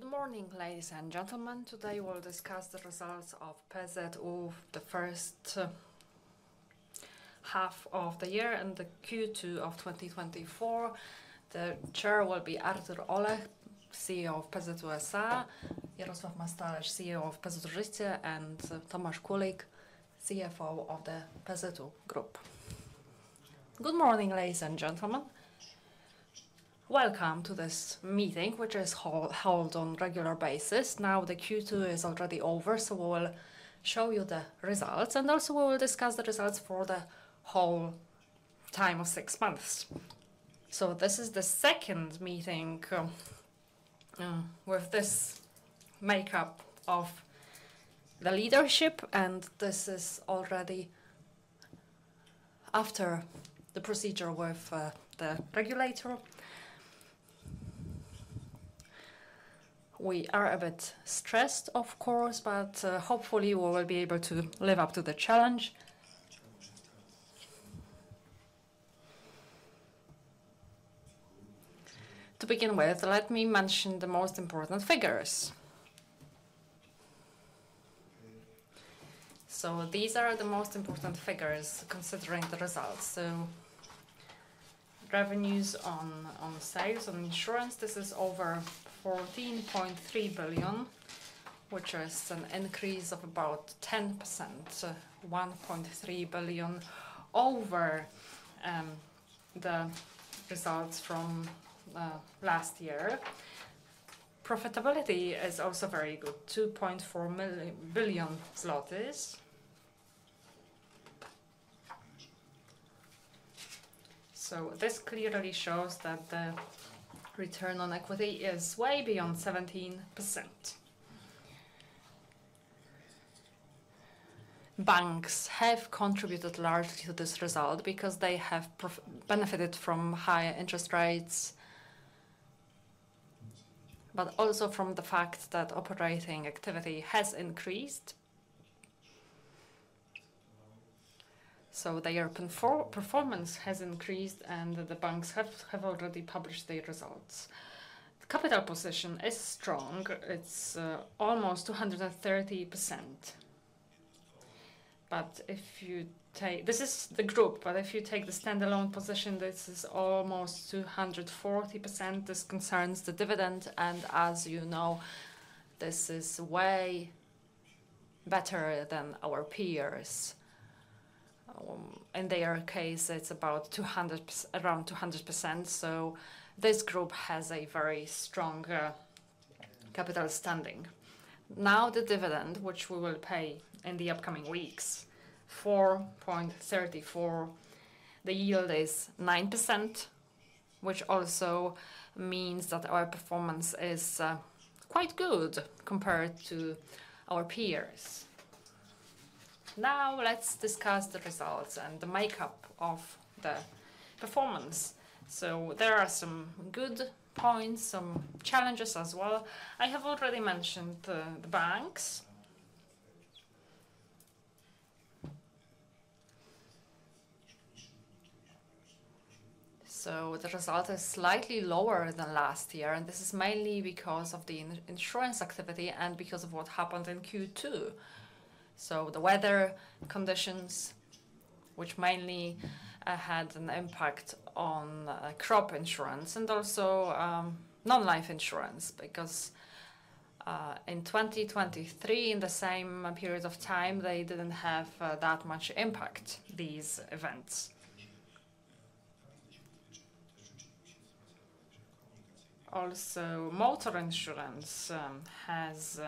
Good morning, ladies and gentlemen. Today, we'll discuss the results of PZU, the first half of the year and the Q2 of 2024. The chair will be Artur Olech, CEO of PZU S.A., Jarosław Mastalerz, CEO of PZU Życie, and Tomasz Kulik, CFO of the PZU Group. Good morning, ladies and gentlemen. Welcome to this meeting, which is held on regular basis. Now, the Q2 is already over, so we will show you the results, and also we will discuss the results for the whole time of six months. This is the second meeting with this makeup of the leadership, and this is already after the procedure with the regulator. We are a bit stressed, of course, but hopefully we will be able to live up to the challenge. To begin with, let me mention the most important figures. These are the most important figures considering the results. Revenues on sales, on insurance, this is over 14.3 billion, which is an increase of about 10%, so 1.3 billion over the results from last year. Profitability is also very good, 2.4 billion zlotys. This clearly shows that the return on equity is way beyond 17%. Banks have contributed largely to this result because they have benefited from higher interest rates, but also from the fact that operating activity has increased. Their performance has increased, and the banks have already published their results. The capital position is strong. It's almost 230%. But if you take, this is the group, but if you take the standalone position, this is almost 240%. This concerns the dividend, and as you know, this is way better than our peers. In their case, it's about 200, around 200%, so this group has a very strong capital standing. Now, the dividend, which we will pay in the upcoming weeks, 4.34. The yield is 9%, which also means that our performance is quite good compared to our peers. Now, let's discuss the results and the makeup of the performance. So there are some good points, some challenges as well. I have already mentioned the banks. So the result is slightly lower than last year, and this is mainly because of the non-insurance activity and because of what happened in Q2. So the weather conditions, which mainly had an impact on crop insurance and also non-life insurance, because in 2023, in the same period of time, they didn't have that much impact, these events. Also, motor insurance has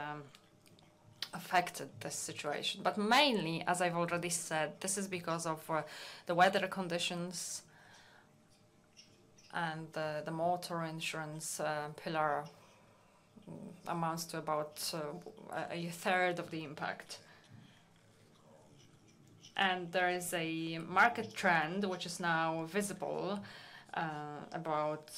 affected this situation, but mainly, as I've already said, this is because of the weather conditions and the motor insurance pillar amounts to about 1/3 of the impact. And there is a market trend, which is now visible about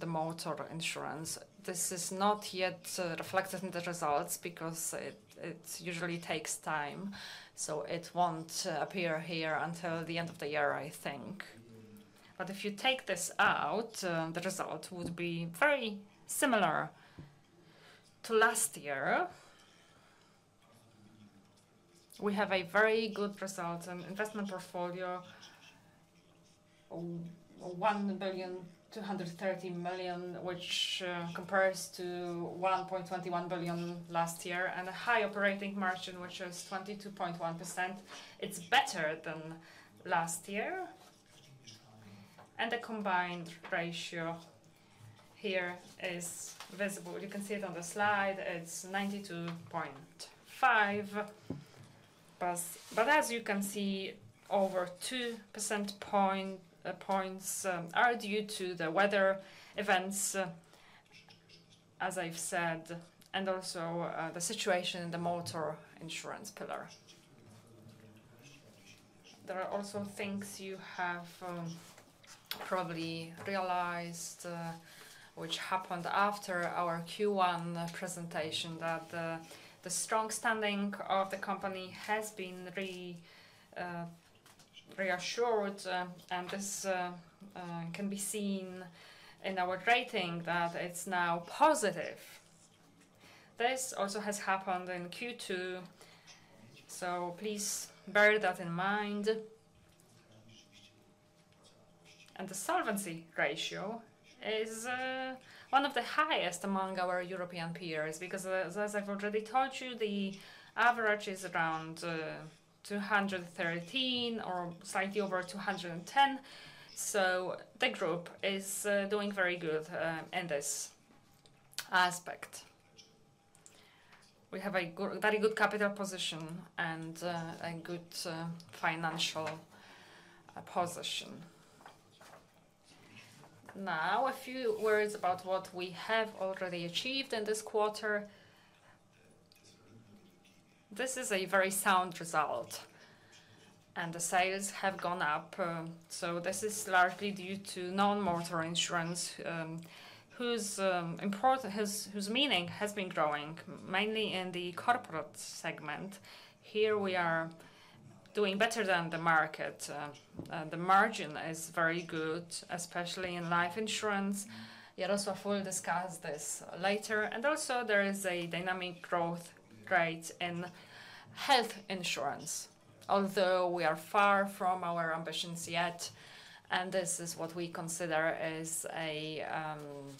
the motor insurance. This is not yet reflected in the results because it usually takes time, so it won't appear here until the end of the year, I think. But if you take this out, the result would be very similar to last year. We have a very good result, an investment portfolio, 1.23 billion, which compares to 1.21 billion last year, and a high operating margin, which is 22.1%. It's better than last year. The combined ratio here is visible. You can see it on the slide, it's 92.5%. But as you can see, over 2 percentage points are due to the weather events, as I've said, and also the situation in the motor insurance pillar. There are also things you have probably realized, which happened after our Q1 presentation, that the strong standing of the company has been reassured, and this can be seen in our rating that it's now positive. This also has happened in Q2, so please bear that in mind. And the solvency ratio is one of the highest among our European peers, because as I've already told you, the average is around 213% or slightly over 210%. So the group is doing very good in this aspect. We have a good, very good capital position and a good financial position. Now, a few words about what we have already achieved in this quarter. This is a very sound result, and the sales have gone up, so this is largely due to non-motor insurance, whose meaning has been growing, mainly in the corporate segment. Here we are doing better than the market, and the margin is very good, especially in life insurance. Jarosław will discuss this later. And also there is a dynamic growth rate in health insurance, although we are far from our ambitions yet, and this is what we consider as an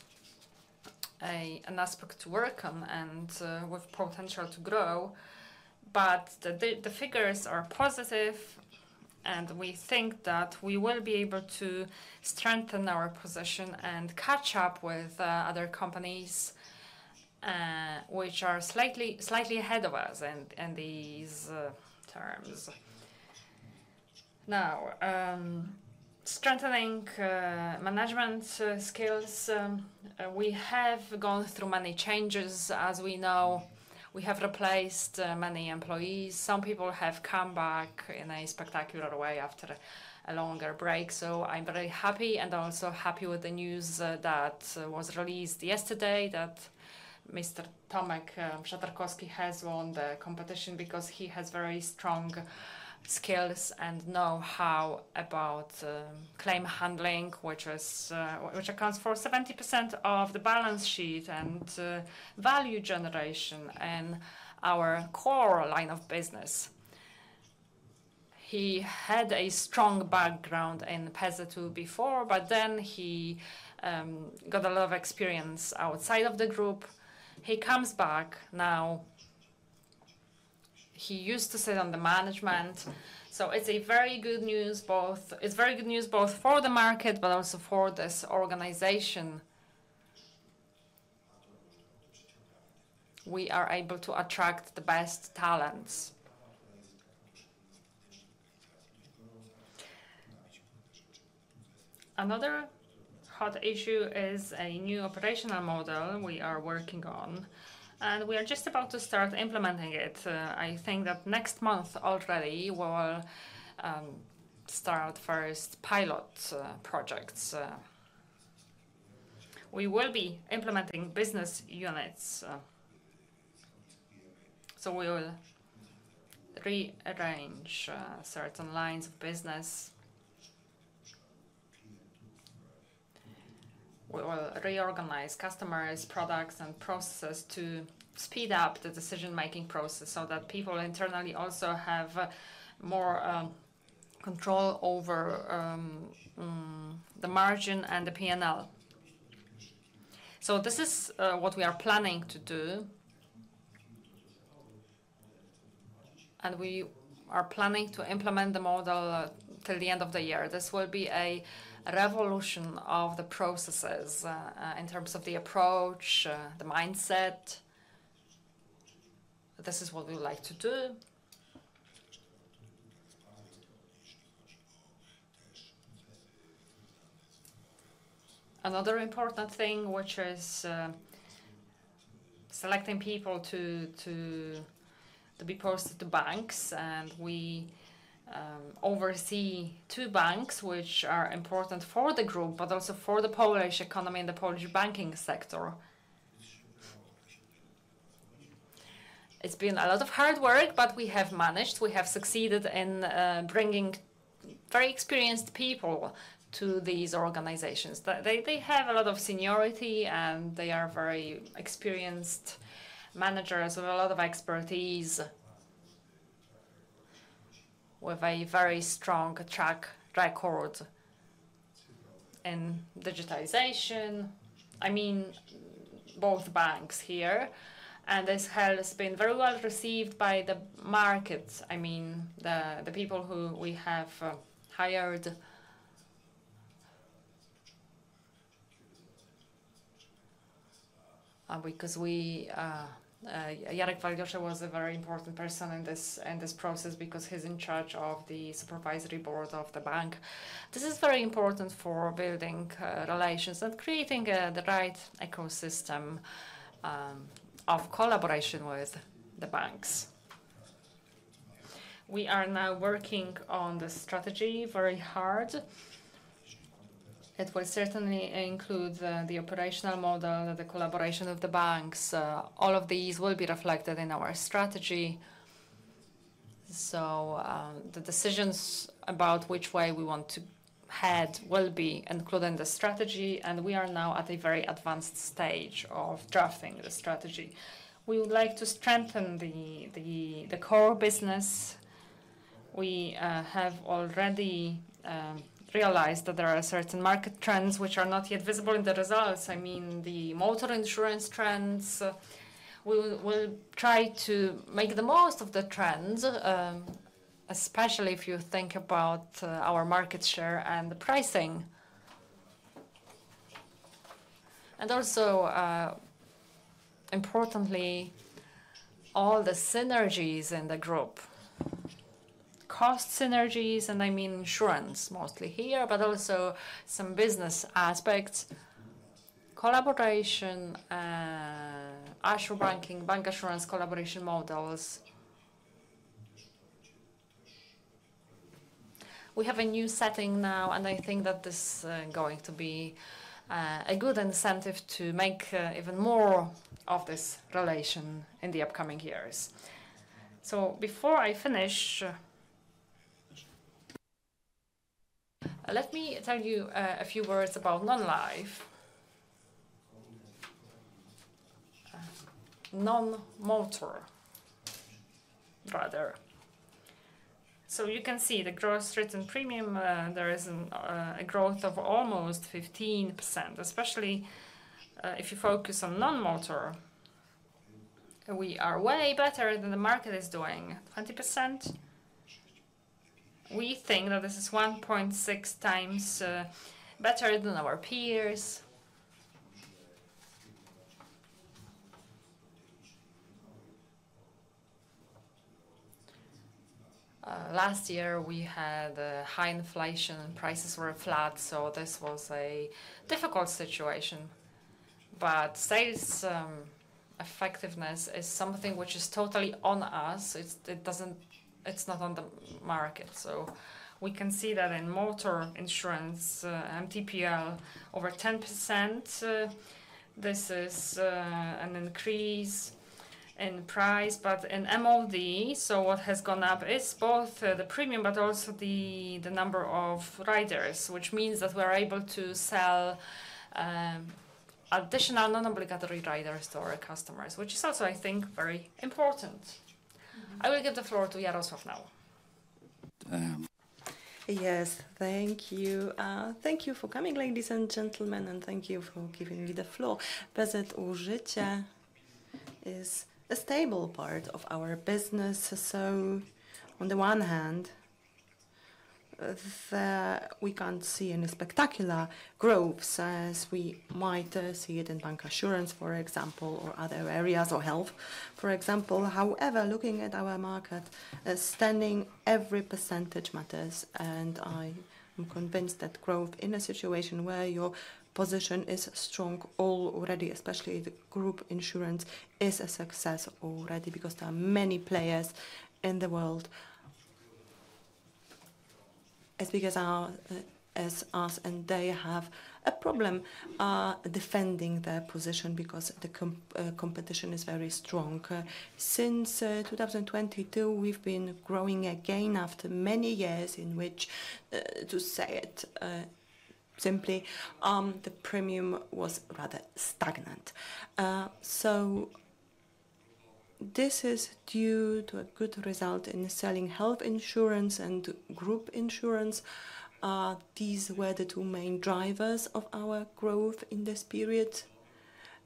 aspect to work on and with potential to grow. But the figures are positive, and we think that we will be able to strengthen our position and catch up with other companies which are slightly ahead of us in these terms. Now, strengthening management skills, we have gone through many changes. As we know, we have replaced many employees. Some people have come back in a spectacular way after a longer break, so I'm very happy and also happy with the news that was released yesterday, that Mr. Tomasz Tarkowski has won the competition because he has very strong skills and know-how about, claim handling, which is, which accounts for 70% of the balance sheet and, value generation and our core line of business. He had a strong background in PZU before, but then he, got a lot of experience outside of the group. He comes back now. He used to sit on the management, so it's very good news both for the market, but also for this organization. We are able to attract the best talents. Another hot issue is a new operational model we are working on, and we are just about to start implementing it. I think that next month already, we'll, start first pilot, projects. We will be implementing business units, so we will rearrange certain lines of business. We will reorganize customers, products, and processes to speed up the decision-making process so that people internally also have more control over the margin and the P&L. So this is what we are planning to do. And we are planning to implement the model till the end of the year. This will be a revolution of the processes in terms of the approach, the mindset. This is what we would like to do. Another important thing, which is selecting people to be posted to banks, and we oversee two banks, which are important for the group, but also for the Polish economy and the Polish banking sector. It's been a lot of hard work, but we have managed. We have succeeded in bringing very experienced people to these organizations. They have a lot of seniority, and they are very experienced managers with a lot of expertise, with a very strong track record in digitization. I mean, both banks here, and this has been very well received by the markets. I mean, the people who we have hired. Because Jarek w Aliorze was a very important person in this process because he's in charge of the supervisory board of the bank. This is very important for building relations and creating the right ecosystem of collaboration with the banks. We are now working on the strategy very hard. It will certainly include the operational model, the collaboration of the banks. All of these will be reflected in our strategy. The decisions about which way we want to head will be included in the strategy, and we are now at a very advanced stage of drafting the strategy. We would like to strengthen the core business. We have already realized that there are certain market trends which are not yet visible in the results. I mean, the motor insurance trends. We will try to make the most of the trends, especially if you think about our market share and the pricing. And also, importantly, all the synergies in the group. Cost synergies, and I mean insurance mostly here, but also some business aspects. Collaboration, bancassurance, assurbanking, collaboration models. We have a new setting now, and I think that this going to be a good incentive to make even more of this relation in the upcoming years. So before I finish, let me tell you a few words about non-life. Non-motor, rather. So you can see the gross written premium. There is a growth of almost 15%, especially if you focus on non-motor. We are way better than the market is doing, 20%. We think that this is 1.6 times better than our peers. Last year we had high inflation, and prices were flat, so this was a difficult situation. But sales effectiveness is something which is totally on us. It's not on the market. So we can see that in motor insurance, MTPL over 10%, this is an increase in price, but in MOD, so what has gone up is both the premium, but also the number of riders, which means that we're able to sell additional non-obligatory riders to our customers, which is also, I think, very important. I will give the floor to Jarosław now. Yes, thank you. Thank you for coming, ladies and gentlemen, and thank you for giving me the floor. PZU Życie is a stable part of our business, so on the one hand, we can't see any spectacular growth as we might see it in bank assurance, for example, or other areas, or health, for example. However, looking at our market standing, every percentage matters, and I am convinced that growth in a situation where your position is strong already, especially the group insurance, is a success already because there are many players in the world as big as us, and they have a problem defending their position because the competition is very strong. Since 2022, we've been growing again after many years in which, to say it simply, the premium was rather stagnant. So this is due to a good result in selling health insurance and group insurance. These were the two main drivers of our growth in this period,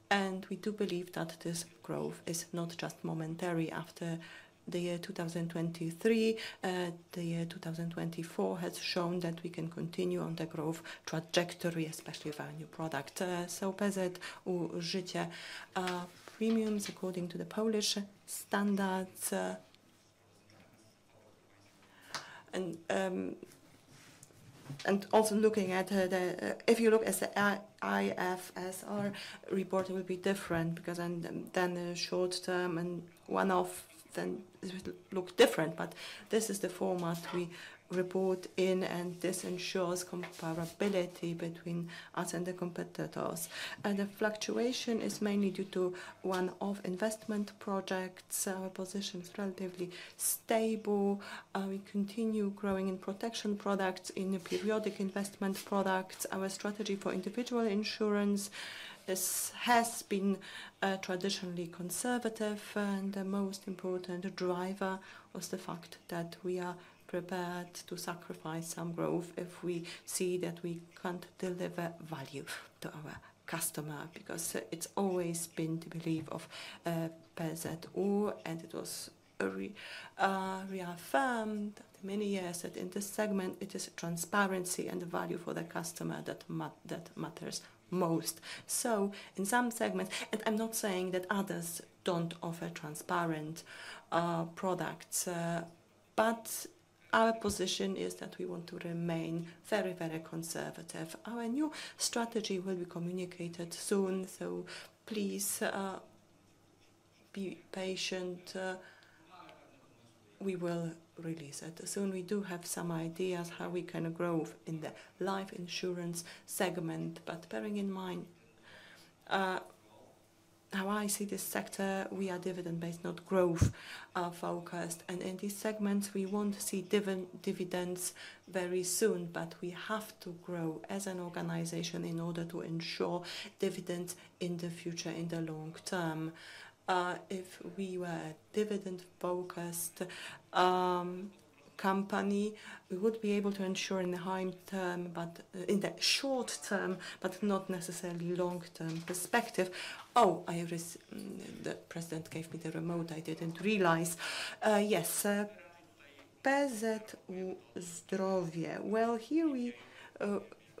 and we do believe that this growth is not just momentary after the year 2023. The year 2024 has shown that we can continue on the growth trajectory, especially with our new product. So PZU Życie premiums according to the Polish standards, and also if you look at the IFRS report, it will be different because then the short term and one-off, it will look different. But this is the format we report in, and this ensures comparability between us and the competitors. And the fluctuation is mainly due to one-off investment projects. Our position is relatively stable. We continue growing in protection products, in periodic investment products. Our strategy for individual insurance is, has been, traditionally conservative, and the most important driver was the fact that we are prepared to sacrifice some growth if we see that we can't deliver value to our customer. Because it's always been the belief of PZU, and it was reaffirmed many years that in this segment it is transparency and the value for the customer that matters most. So in some segments, and I'm not saying that others don't offer transparent products, but our position is that we want to remain very, very conservative. Our new strategy will be communicated soon, so please, be patient, we will release it soon. We do have some ideas how we can grow in the life insurance segment, but bearing in mind, how I see this sector, we are dividend-based, not growth, focused. And in this segment, we won't see dividends very soon, but we have to grow as an organization in order to ensure dividends in the future, in the long term. If we were a dividend-focused company, we would be able to ensure in the high term, but in the short term, but not necessarily long-term perspective. Oh, the president gave me the remote. I didn't realize. Yes, PZU Zdrowie. Well, here we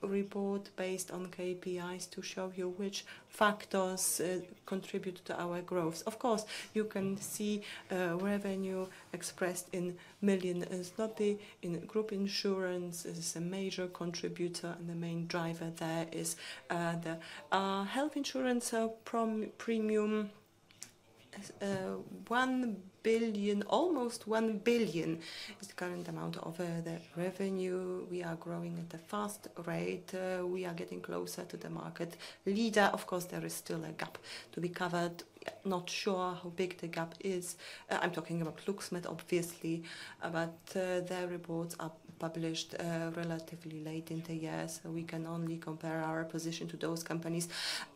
report based on KPIs to show you which factors contribute to our growth. Of course, you can see revenue expressed in million zloty in group insurance. This is a major contributor, and the main driver there is the health insurance premium. Almost 1 billion is the current amount of the revenue. We are growing at a fast rate. We are getting closer to the market leader. Of course, there is still a gap to be covered. Not sure how big the gap is. I'm talking about Lux Med, obviously, but their reports are published relatively late in the year, so we can only compare our position to those companies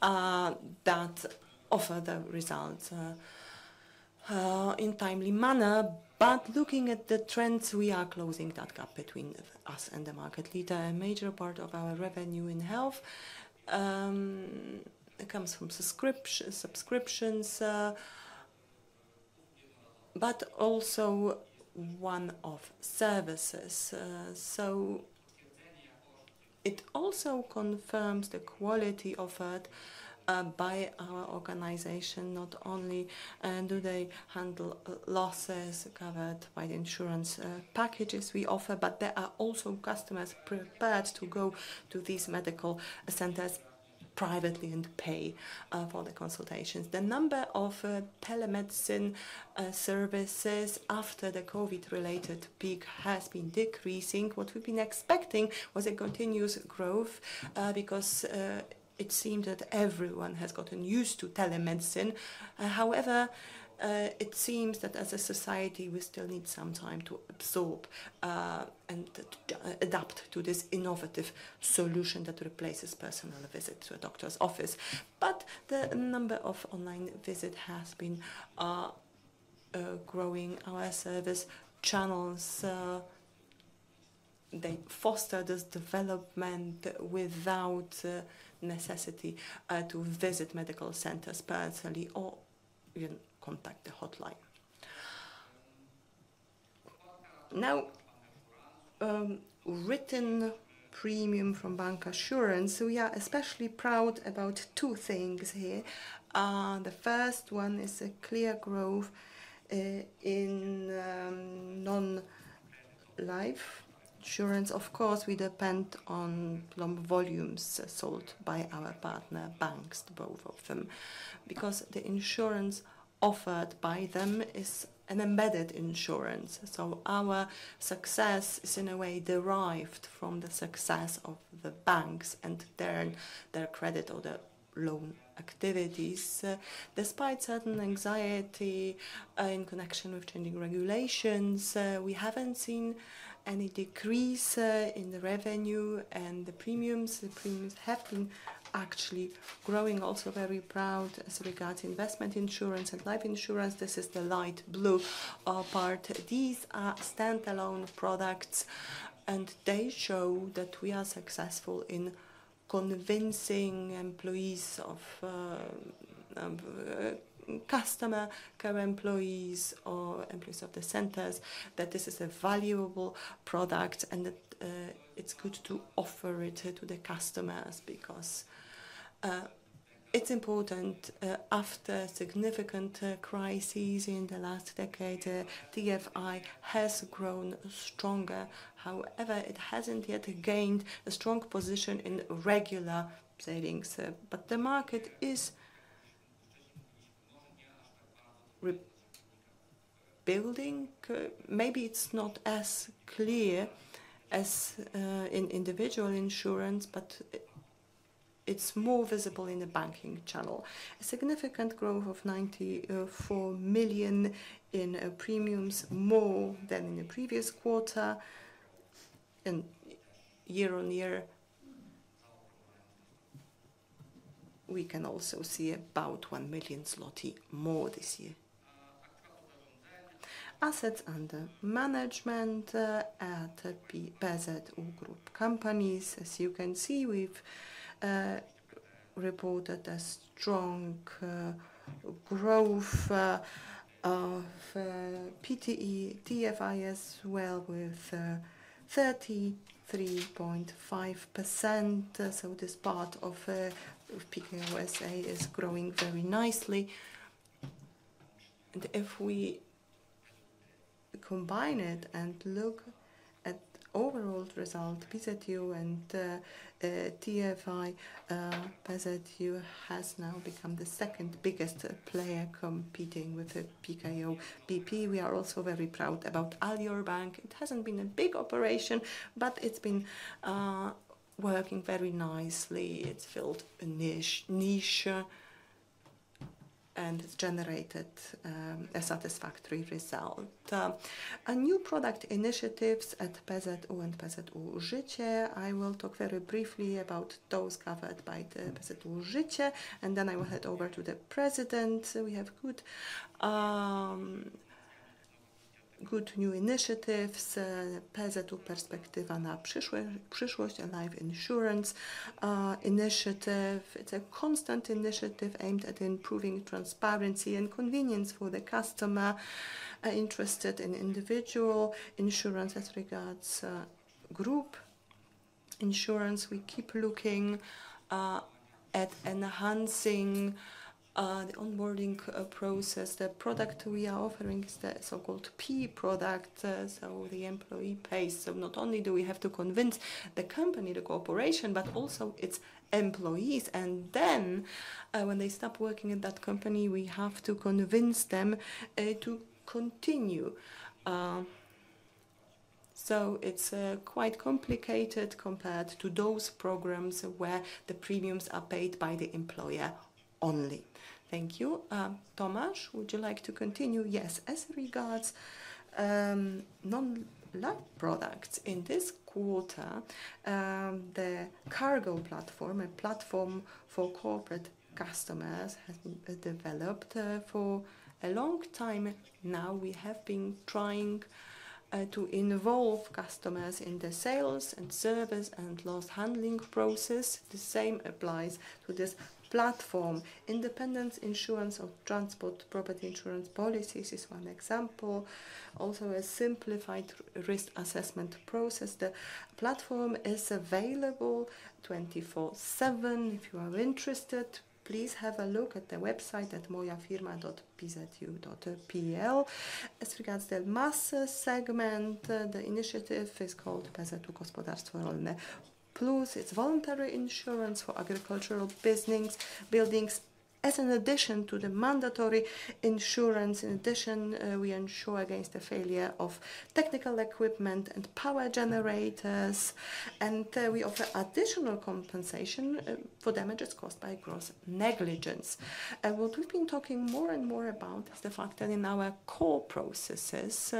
that offer the results in timely manner. But looking at the trends, we are closing that gap between us and the market leader. A major part of our revenue in health comes from subscriptions, but also one-off services, so it also confirms the quality offered by our organization. Not only do they handle losses covered by the insurance packages we offer, but there are also customers prepared to go to these medical centers privately and pay for the consultations. The number of telemedicine services after the COVID-related peak has been decreasing. What we've been expecting was a continuous growth because it seemed that everyone has gotten used to telemedicine. However, it seems that as a society, we still need some time to absorb and to adapt to this innovative solution that replaces personal visit to a doctor's office, but the number of online visit has been growing. Our service channels, they foster this development without necessity to visit medical centers personally or even contact the hotline. Now, written premium from bancassurance. So we are especially proud about two things here. The first one is a clear growth in non-life insurance. Of course, we depend on loan volumes sold by our partner banks, both of them, because the insurance offered by them is an embedded insurance. So our success is in a way derived from the success of the banks and their credit or their loan activities. Despite certain anxiety in connection with changing regulations, we haven't seen any decrease in the revenue and the premiums. The premiums have been actually growing. Also very proud as regards investment insurance and life insurance. This is the light blue part. These are standalone products, and they show that we are successful in convincing employees of, customer care employees or employees of the centers, that this is a valuable product and that, it's good to offer it to the customers because, it's important. After significant, crises in the last decade, TFI has grown stronger. However, it hasn't yet gained a strong position in regular savings. But the market is rebuilding. Maybe it's not as clear as, in individual insurance, but it, it's more visible in the banking channel. A significant growth of 94 million in, premiums, more than in the previous quarter. In year-on-year, we can also see about 1 million zloty more this year. Assets under management, at PZU Group companies. As you can see, we've reported a strong growth of PTE TFI as well, with 33.5%. So this part of Pekao is growing very nicely. And if we combine it and look at overall result, PZU and TFI, PZU has now become the second biggest player competing with the PKO BP. We are also very proud about Alior Bank. It hasn't been a big operation, but it's been working very nicely. It's filled a niche and it's generated a satisfactory result. A new product initiatives at PZU and PZU Życie. I will talk very briefly about those covered by the PZU Życie, and then I will hand over to the president. We have good new initiatives, PZU Perspektywa na Przyszłość and life insurance initiative. It's a constant initiative aimed at improving transparency and convenience for the customer interested in individual insurance. As regards group insurance, we keep looking at enhancing the onboarding process. The product we are offering is the so-called P product, so the employee pays. So not only do we have to convince the company, the corporation, but also its employees, and then, when they stop working in that company, we have to convince them to continue. So it's quite complicated compared to those programs where the premiums are paid by the employer only. Thank you. Tomasz, would you like to continue? Yes. As regards non-life products, in this quarter, the cargo platform, a platform for corporate customers, has been developed. For a long time now, we have been trying to involve customers in the sales and service and loss handling process. The same applies to this platform. Independent insurance of transport, property insurance policies is one example. Also, a simplified risk assessment process. The platform is available 24/7. If you are interested, please have a look at the website at mojafirma.pzu.pl. As regards the mass segment, the initiative is called PZU Gospodarstwo Rolne Plus. It's voluntary insurance for agricultural business, buildings, as an addition to the mandatory insurance. In addition, we insure against the failure of technical equipment and power generators, and we offer additional compensation for damages caused by gross negligence. What we've been talking more and more about is the fact that in our core processes,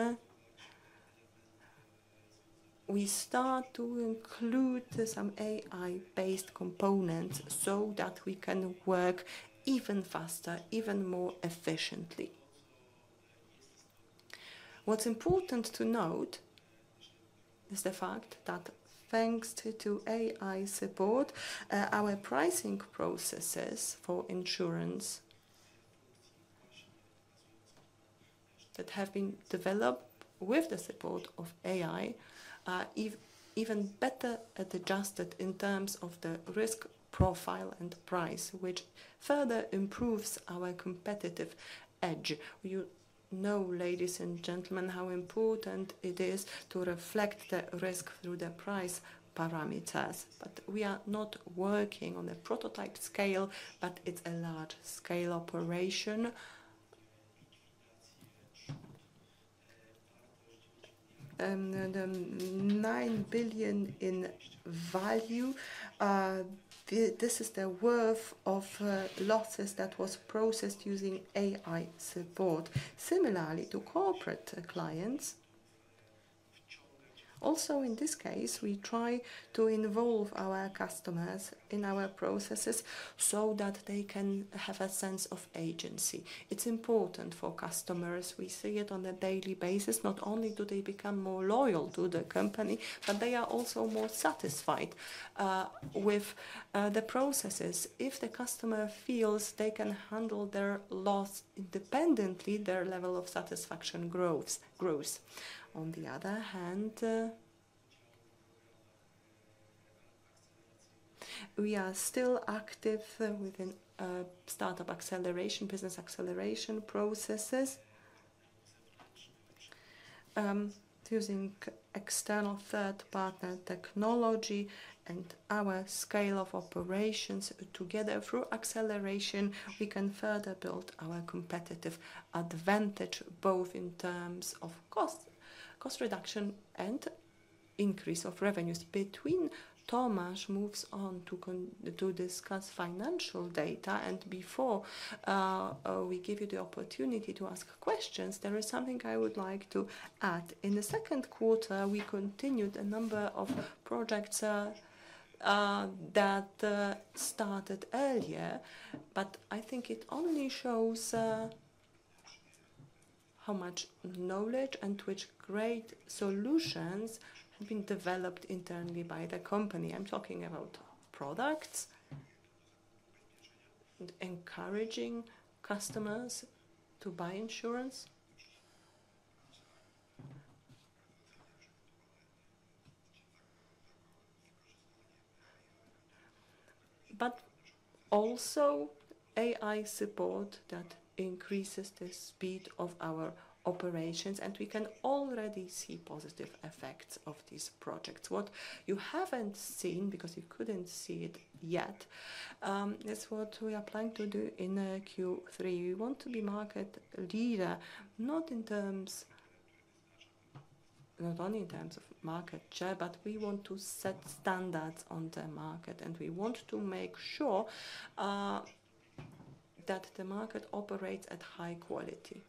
we start to include some AI-based components so that we can work even faster, even more efficiently. What's important to note is the fact that thanks to AI support, our pricing processes for insurance that have been developed with the support of AI are even better adjusted in terms of the risk profile and price, which further improves our competitive edge. You know, ladies and gentlemen, how important it is to reflect the risk through the price parameters. We are not working on a prototype scale, but it's a large-scale operation. The PLN 9 billion in value, this is the worth of losses that was processed using AI support. Similarly to corporate clients, also in this case, we try to involve our customers in our processes so that they can have a sense of agency. It's important for customers. We see it on a daily basis. Not only do they become more loyal to the company, but they are also more satisfied with the processes. If the customer feels they can handle their loss independently, their level of satisfaction grows. On the other hand, we are still active within startup acceleration, business acceleration processes, using external third-party technology and our scale of operations together. Through acceleration, we can further build our competitive advantage, both in terms of cost reduction and increase of revenues. Before Tomasz moves on to continue to discuss financial data and before we give you the opportunity to ask questions, there is something I would like to add. In the second quarter, we continued a number of projects that started earlier, but I think it only shows how much knowledge and which great solutions have been developed internally by the company. I'm talking about products and encouraging customers to buy insurance, but also AI support that increases the speed of our operations, and we can already see positive effects of these projects. What you haven't seen, because you couldn't see it yet, is what we are planning to do in Q3. We want to be market leader, not only in terms of market share, but we want to set standards on the market, and we want to make sure that the market operates at high quality,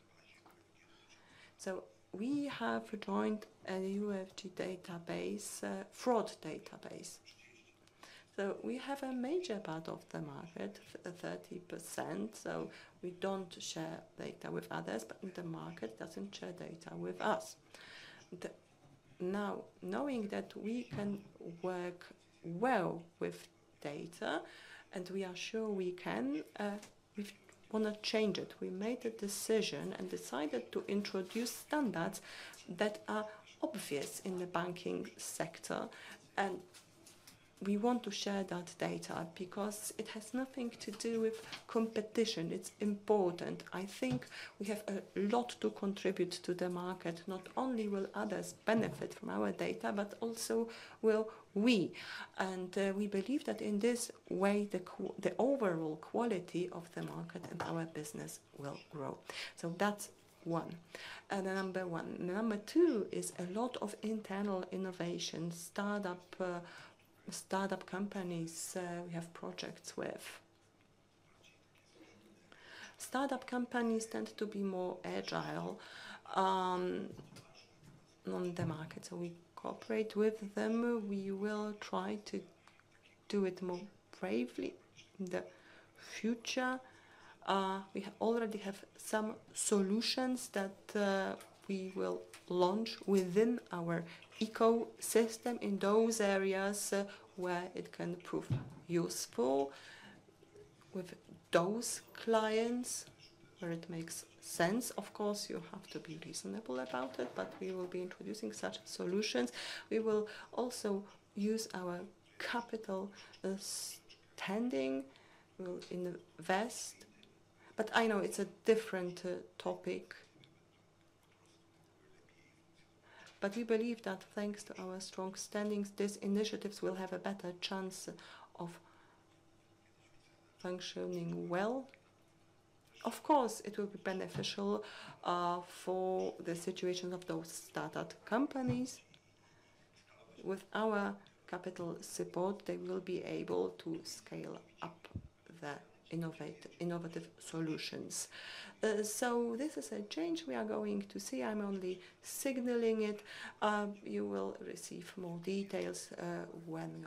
so we have joined a UFG database, fraud database, so we have a major part of the market, 30%, so we don't share data with others, but the market doesn't share data with us. Now, knowing that we can work well with data, and we are sure we can, we wanna change it. We made a decision and decided to introduce standards that are obvious in the banking sector, and we want to share that data because it has nothing to do with competition. It's important. I think we have a lot to contribute to the market. Not only will others benefit from our data, but also will we, and we believe that in this way, the overall quality of the market and our business will grow. So that's one, the number one. Number two is a lot of internal innovation, startup, startup companies, we have projects with. Startup companies tend to be more agile on the market, so we cooperate with them. We will try to do it more bravely in the future. We already have some solutions that we will launch within our ecosystem in those areas, where it can prove useful with those clients, where it makes sense. Of course, you have to be reasonable about it, but we will be introducing such solutions. We will also use our capital standing in the West, but I know it's a different topic. But we believe that thanks to our strong standings, these initiatives will have a better chance of functioning well. Of course, it will be beneficial for the situation of those startup companies. With our capital support, they will be able to scale up the innovative solutions. So this is a change we are going to see. I'm only signaling it. You will receive more details when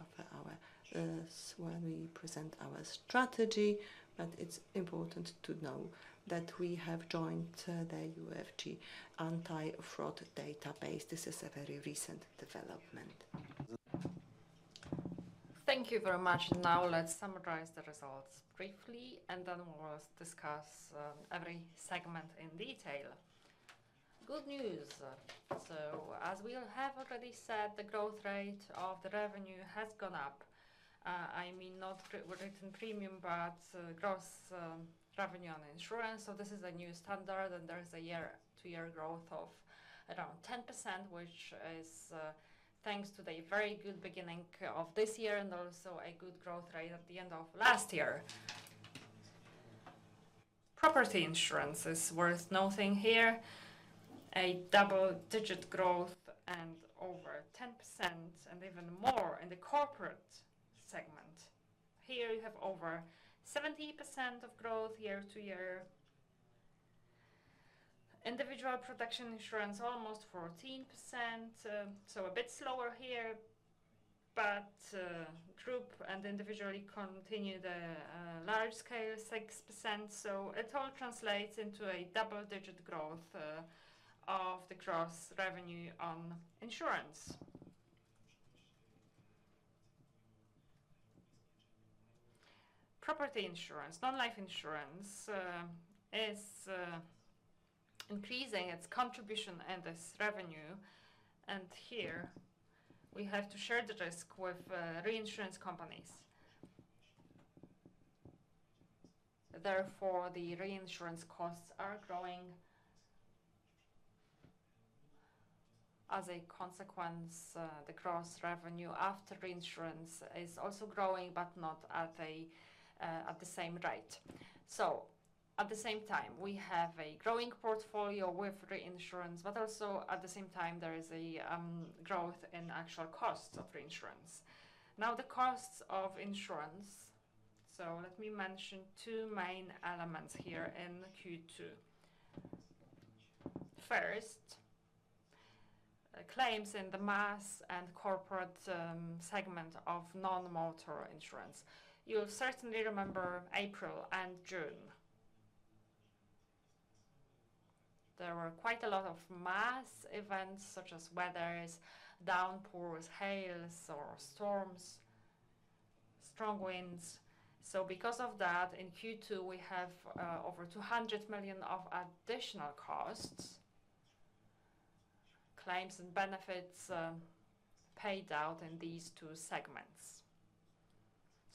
we present our strategy, but it's important to know that we have joined the UFG anti-fraud database. This is a very recent development. Thank you very much. Now, let's summarize the results briefly, and then we'll discuss every segment in detail. Good news. So as we have already said, the growth rate of the revenue has gone up. I mean, not written premium, but gross revenue on insurance. So this is a new standard, and there is a year to year growth of around 10%, which is thanks to the very good beginning of this year and also a good growth rate at the end of last year. Property insurance is worth noting here, a double-digit growth and over 10% and even more in the corporate segment. Here you have over 70% of growth year to year. Individual protection insurance, almost 14%, so a bit slower here, but group and individually continue the large scale, 6%. It all translates into a double-digit growth of the gross revenue on insurance. Property insurance, non-life insurance, is increasing its contribution and its revenue, and here we have to share the risk with reinsurance companies. Therefore, the reinsurance costs are growing. As a consequence, the gross revenue after reinsurance is also growing, but not at the same rate. At the same time, we have a growing portfolio with reinsurance, but also at the same time, there is a growth in actual costs of reinsurance. Now, the costs of insurance, so let me mention two main elements here in Q2. First, claims in the mass and corporate segment of non-motor insurance. You'll certainly remember April and June. There were quite a lot of mass events, such as weather, downpours, hails or storms, strong winds. So because of that, in Q2, we have over 200 million of additional costs, claims and benefits paid out in these two segments.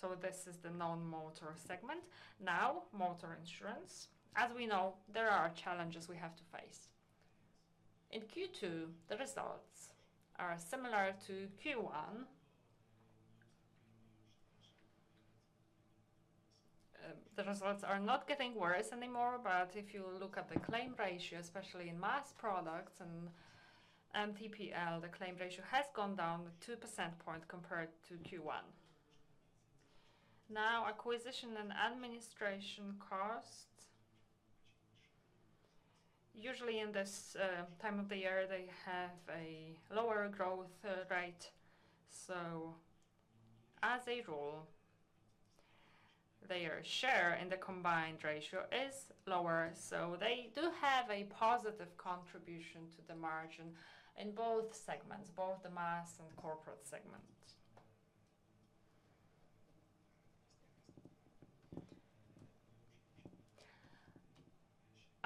So this is the non-motor segment. Now, motor insurance. As we know, there are challenges we have to face. In Q2, the results are similar to Q1. The results are not getting worse anymore, but if you look at the claim ratio, especially in mass products and TPL, the claim ratio has gone down 2 percentage points compared to Q1. Now, acquisition and administration costs. Usually in this time of the year, they have a lower growth rate, so as a rule, their share in the combined ratio is lower, so they do have a positive contribution to the margin in both segments, both the mass and corporate segments.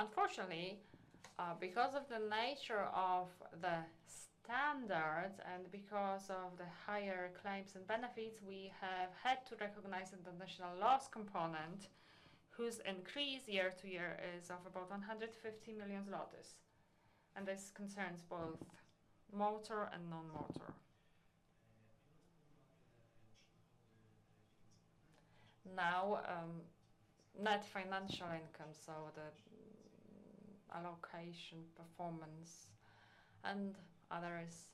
Unfortunately, because of the nature of the standards and because of the higher claims and benefits, we have had to recognize the additional loss component, whose increase year to year is of about 150 million, and this concerns both motor and non-motor. Now, net financial income, so the allocation, performance, and others.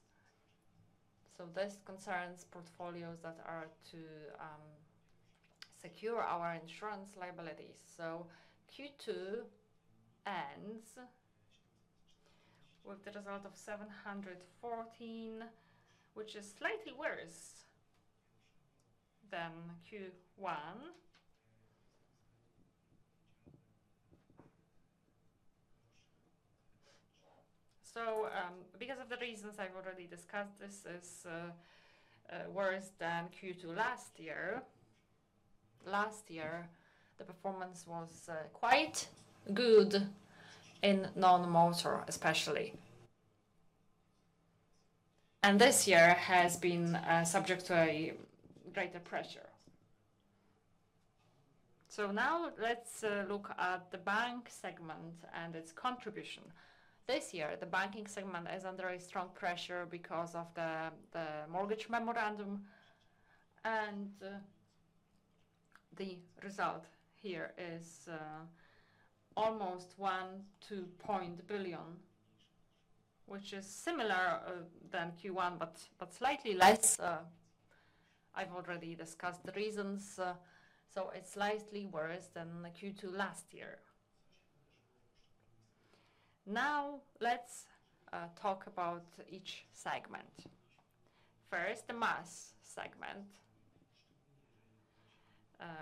This concerns portfolios that are to secure our insurance liabilities. Q2 ends with the result of 714 million, which is slightly worse than Q1. Because of the reasons I've already discussed, this is worse than Q2 last year. Last year, the performance was quite good in non-motor, especially. This year has been subject to a greater pressure. Now let's look at the bank segment and its contribution. This year, the banking segment is under strong pressure because of the mortgage memorandum, and the result here is almost 1 billion, which is similar than Q1, but slightly less. I've already discussed the reasons, so it's slightly worse than the Q2 last year. Now, let's talk about each segment. First, the mass segment.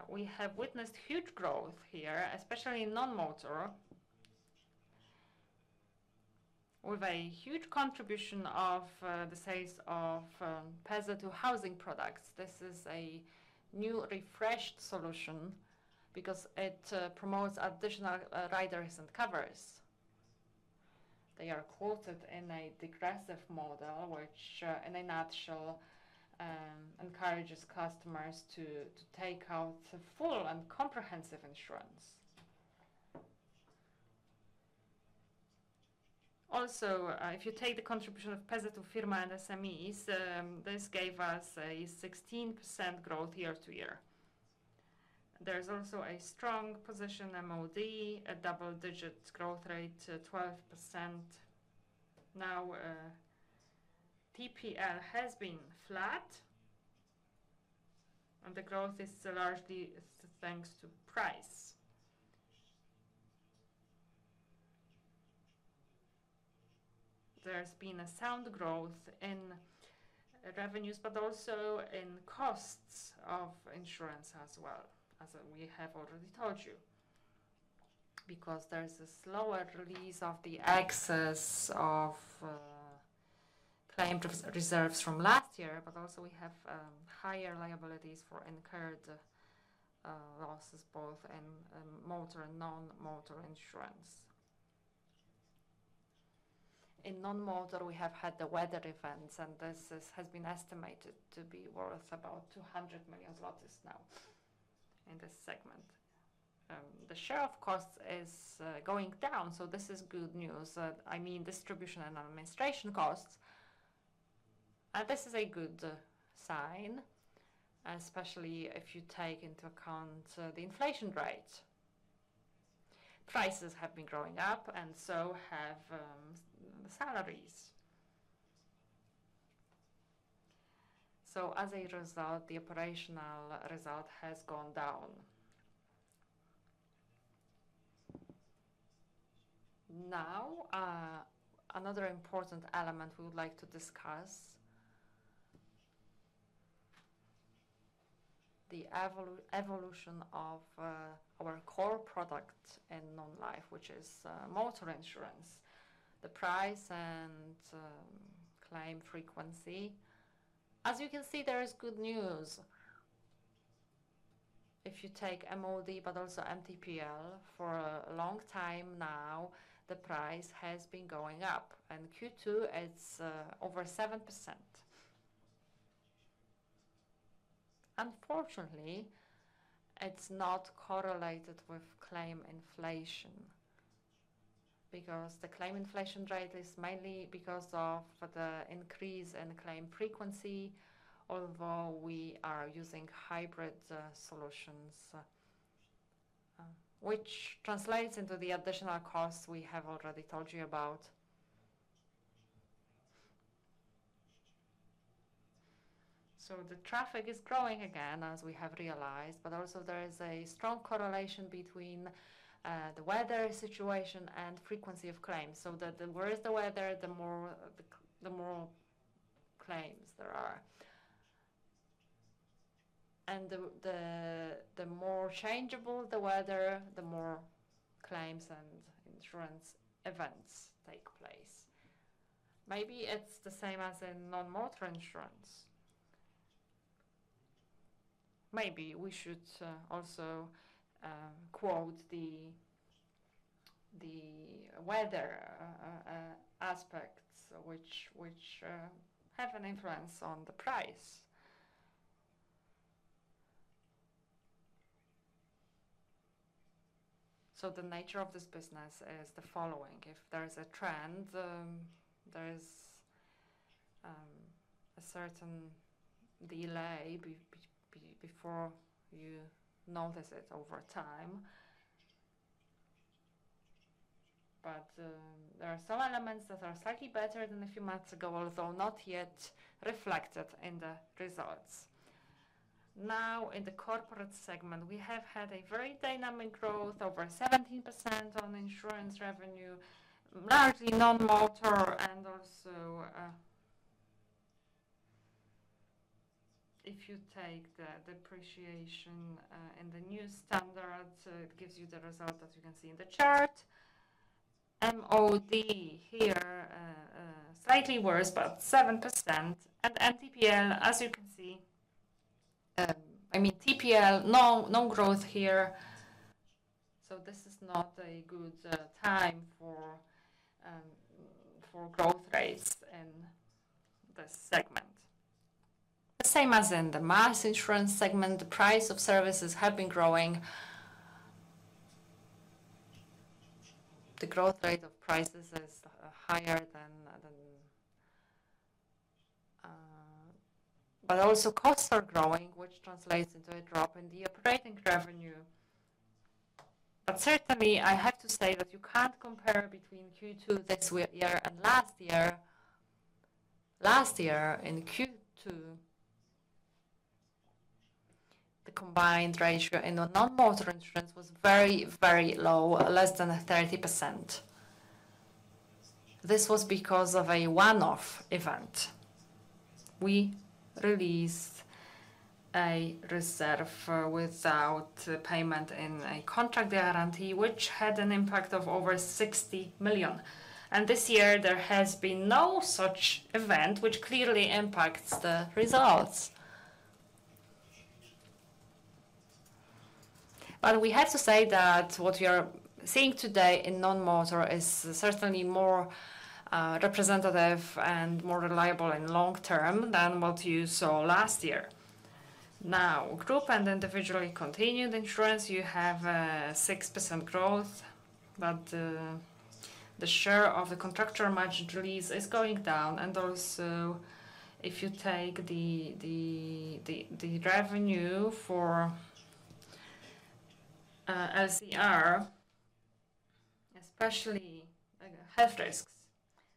We have witnessed huge growth here, especially in non-motor, with a huge contribution of the sales of PZU housing products. This is a new refreshed solution because it promotes additional riders and covers. They are quoted in a degressive model, which, in a nutshell, encourages customers to take out a full and comprehensive insurance. Also, if you take the contribution of PZU Firma and SMEs, this gave us a 16% growth year to year. There's also a strong position in MOD, a double-digit growth rate, 12%. Now, TPL has been flat and the growth is largely thanks to price. There's been a sound growth in revenues, but also in costs of insurance as well, as we have already told you, because there is a slower release of the excess of claim reserves from last year, but also we have higher liabilities for incurred losses, both in motor and non-motor insurance. In non-motor, we have had the weather events, and this has been estimated to be worth about PLN 200 million now in this segment. The share of costs is going down, so this is good news. I mean, distribution and administration costs, and this is a good sign, especially if you take into account the inflation rate. Prices have been going up and so have the salaries. So as a result, the operational result has gone down. Now, another important element we would like to discuss the evolution of our core product in non-life, which is motor insurance, the price and claim frequency. As you can see, there is good news if you take MOD, but also MTPL, for a long time now, the price has been going up, and Q2, it's over 7%. Unfortunately, it's not correlated with claim inflation because the claim inflation rate is mainly because of the increase in claim frequency, although we are using hybrid solutions, which translates into the additional costs we have already told you about. So the traffic is growing again, as we have realized, but also there is a strong correlation between the weather situation and frequency of claims, so that the worse the weather, the more claims there are. And the more changeable the weather, the more claims and insurance events take place. Maybe it's the same as in non-motor insurance. Maybe we should also quote the weather aspects which have an influence on the price. So the nature of this business is the following: if there is a trend, there is a certain delay before you notice it over time. But there are some elements that are slightly better than a few months ago, although not yet reflected in the results. Now, in the corporate segment, we have had a very dynamic growth, over 17% on insurance revenue, largely non-motor and also. If you take the depreciation in the new standards, it gives you the result that you can see in the chart. MOD here, slightly worse, but 7%. And MTPL, as you can see, I mean, TPL, no growth here, so this is not a good time for growth rates in this segment. The same as in the mass insurance segment, the price of services have been growing. The growth rate of prices is higher than. But also costs are growing, which translates into a drop in the operating revenue. But certainly, I have to say that you can't compare between Q2 this year and last year. Last year, in Q2, the combined ratio in the non-motor insurance was very, very low, less than 30%. This was because of a one-off event. We released a reserve without payment in a contract guarantee, which had an impact of over 60 million, and this year there has been no such event, which clearly impacts the results but we have to say that what you are seeing today in non-motor is certainly more representative and more reliable in long term than what you saw last year. Now, group and individually continued insurance, you have 6% growth, but the share of the contractual managed release is going down, and also, if you take the revenue for SCR, especially health risks,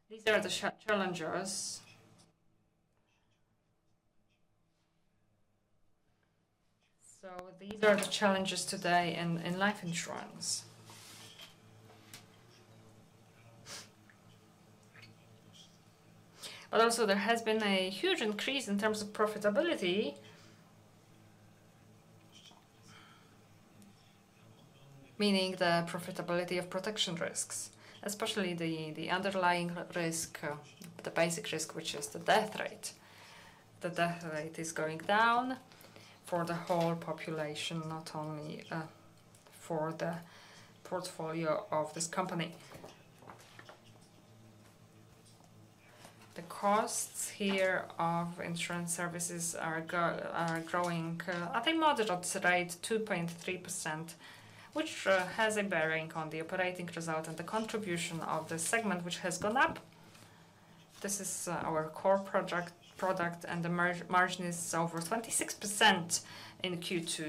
these are the challenges so these are the challenges today in life insurance. But also there has been a huge increase in terms of profitability, meaning the profitability of protection risks, especially the underlying risk, the basic risk, which is the death rate. The death rate is going down for the whole population, not only for the portfolio of this company. The costs here of insurance services are growing at a moderate rate, 2.3%, which has a bearing on the operating result and the contribution of this segment, which has gone up. This is our core product, and the margin is over 26% in Q2.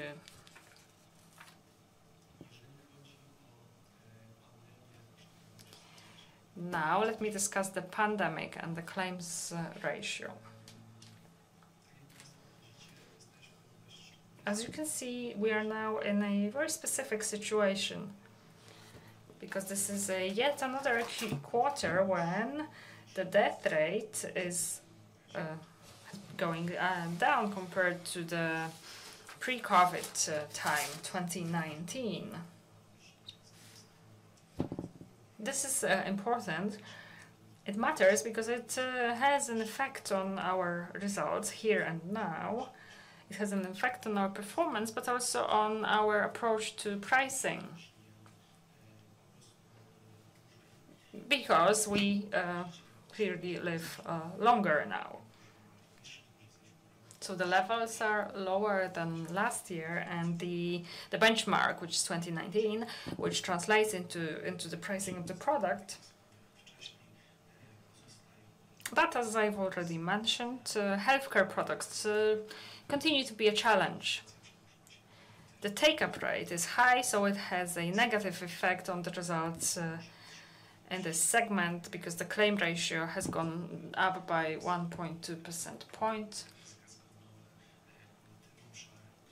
Now, let me discuss the pandemic and the claims ratio. As you can see, we are now in a very specific situation because this is a yet another quarter when the death rate is going down compared to the pre-COVID time, 2019. This is important. It matters because it has an effect on our results here and now. It has an effect on our performance, but also on our approach to pricing. Because we clearly live longer now. So the levels are lower than last year, and the benchmark, which is 2019, which translates into the pricing of the product. But as I've already mentioned, healthcare products continue to be a challenge. The take-up rate is high, so it has a negative effect on the results in this segment, because the claim ratio has gone up by 1.2 percentage point.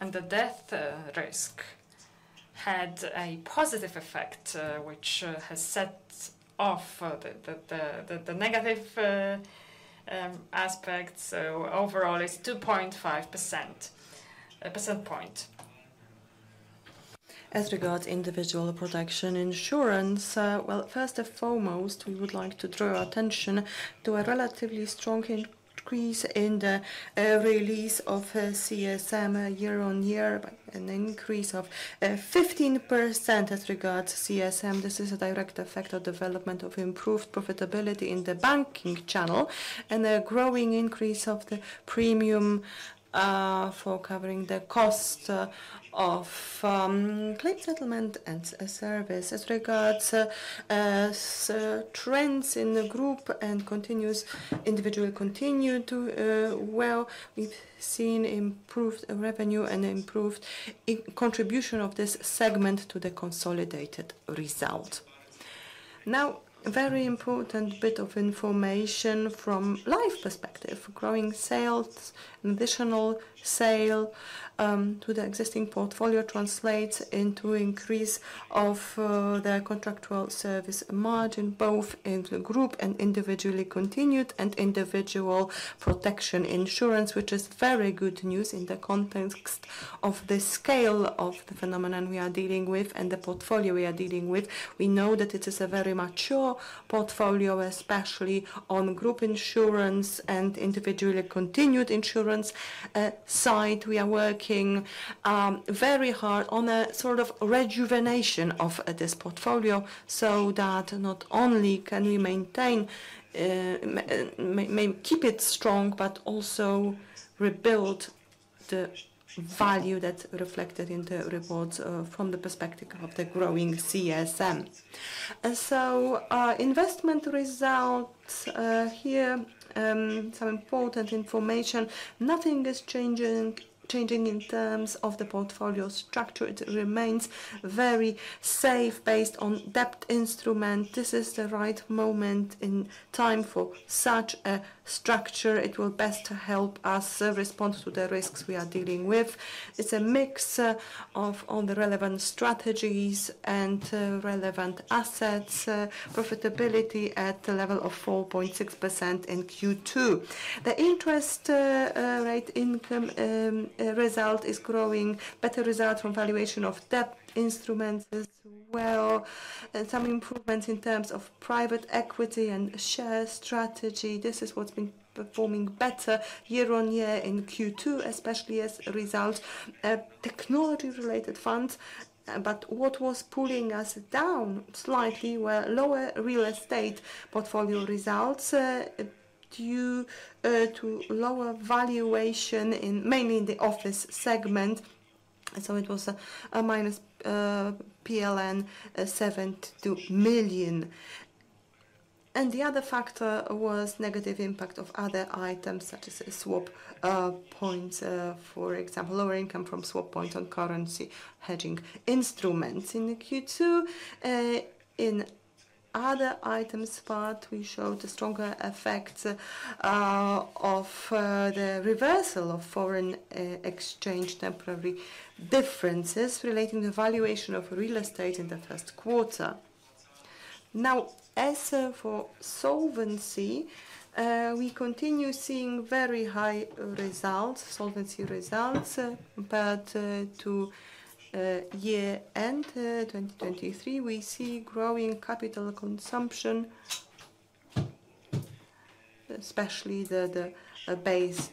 And the death risk had a positive effect, which has set off the negative aspects. So overall, it's 2.5 percentage point. As regards individual protection insurance, well, first and foremost, we would like to draw your attention to a relatively strong increase in the release of CSM year-on-year by an increase of 15% as regards CSM. This is a direct effect of development of improved profitability in the banking channel and a growing increase of the premium for covering the cost of claim settlement and service. As regards trends in the group and corporate individual continue to, well, we've seen improved revenue and improved contribution of this segment to the consolidated result. Now, very important bit of information from life perspective. Growing sales, additional sale to the existing portfolio translates into increase of the contractual service margin, both in the group and individually continued and individual protection insurance, which is very good news in the context of the scale of the phenomenon we are dealing with and the portfolio we are dealing with. We know that it is a very mature portfolio, especially on group insurance and individually continued insurance. Besides, we are working very hard on a sort of rejuvenation of this portfolio so that not only can we maintain keep it strong, but also rebuild the value that's reflected in the reports from the perspective of the growing CSM. So, investment results here some important information. Nothing is changing in terms of the portfolio structure. It remains very safe based on debt instrument. This is the right moment in time for such a structure. It will best help us respond to the risks we are dealing with. It's a mix of all the relevant strategies and relevant assets. Profitability at the level of 4.6% in Q2. The interest rate income result is growing. Better result from valuation of debt instruments as well, and some improvements in terms of private equity and share strategy. This is what's been performing better year-on-year in Q2, especially as a result of technology-related funds. But what was pulling us down slightly were lower real estate portfolio results due to lower valuation mainly in the office segment. So it was a -72 million PLN. The other factor was negative impact of other items, such as swap points, for example, lower income from swap points on currency hedging instruments. In the Q2, in other items part, we showed a stronger effect of the reversal of foreign exchange temporary differences relating to valuation of real estate in the first quarter. Now, as for solvency, we continue seeing very high results, solvency results, but to year-end, 2023, we see growing capital consumption, especially the base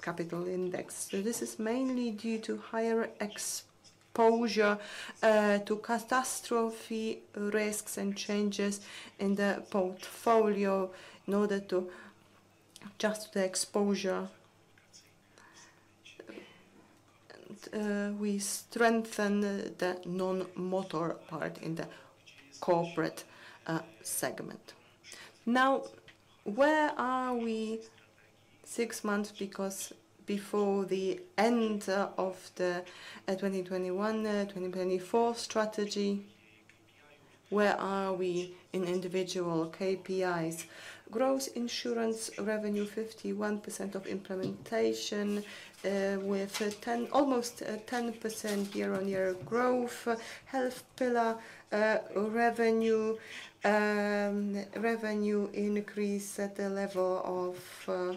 capital index. This is mainly due to higher exposure to catastrophe risks and changes in the portfolio in order to adjust the exposure. We strengthen the non-motor part in the corporate segment. Now, where are we six months, because before the end of the 2021-2024 strategy, where are we in individual KPIs? Gross insurance revenue, 51% of implementation, with 10, almost, 10% year-on-year growth. Health pillar, revenue, a revenue increase at the level of,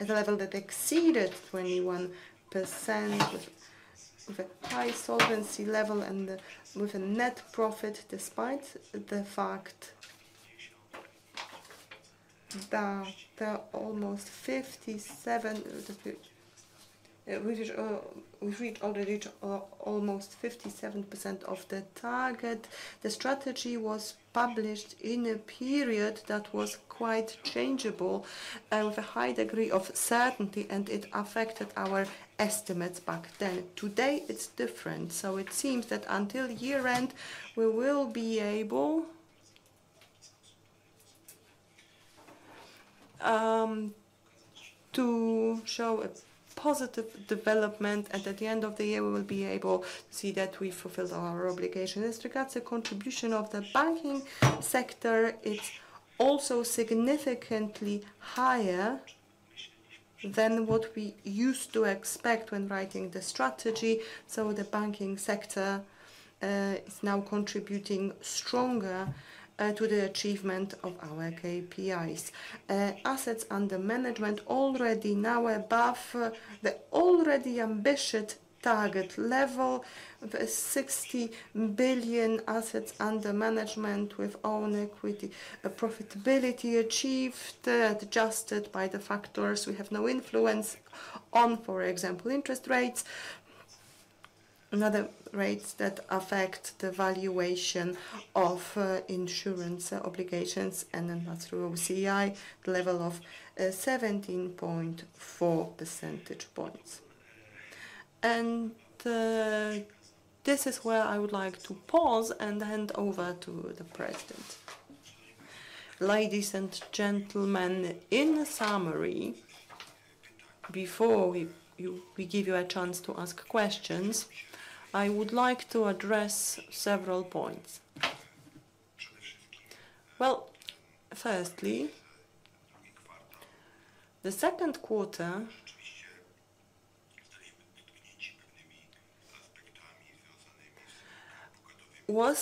at a level that exceeded 21%, with a high solvency level and with a net profit, despite the fact that there are almost 57%, which is, we've reached, already reached, almost 57% of the target. The strategy was published in a period that was quite changeable and with a high degree of certainty, and it affected our estimates back then. Today, it's different. So it seems that until year-end, we will be able to show a positive development, and at the end of the year, we will be able to see that we fulfilled our obligation. As regards the contribution of the banking sector, it's also significantly higher than what we used to expect when writing the strategy. So the banking sector is now contributing stronger to the achievement of our KPIs. Assets under management already now above the already ambitious target level of 60 billion assets under management, with own equity profitability achieved, adjusted by the factors we have no influence on, for example, interest rates. Other rates that affect the valuation of insurance obligations, and then that's through OCI, level of 17.4 percentage points, and this is where I would like to pause and hand over to the President. Ladies and gentlemen, in summary, before we give you a chance to ask questions, I would like to address several points. Firstly, the second quarter was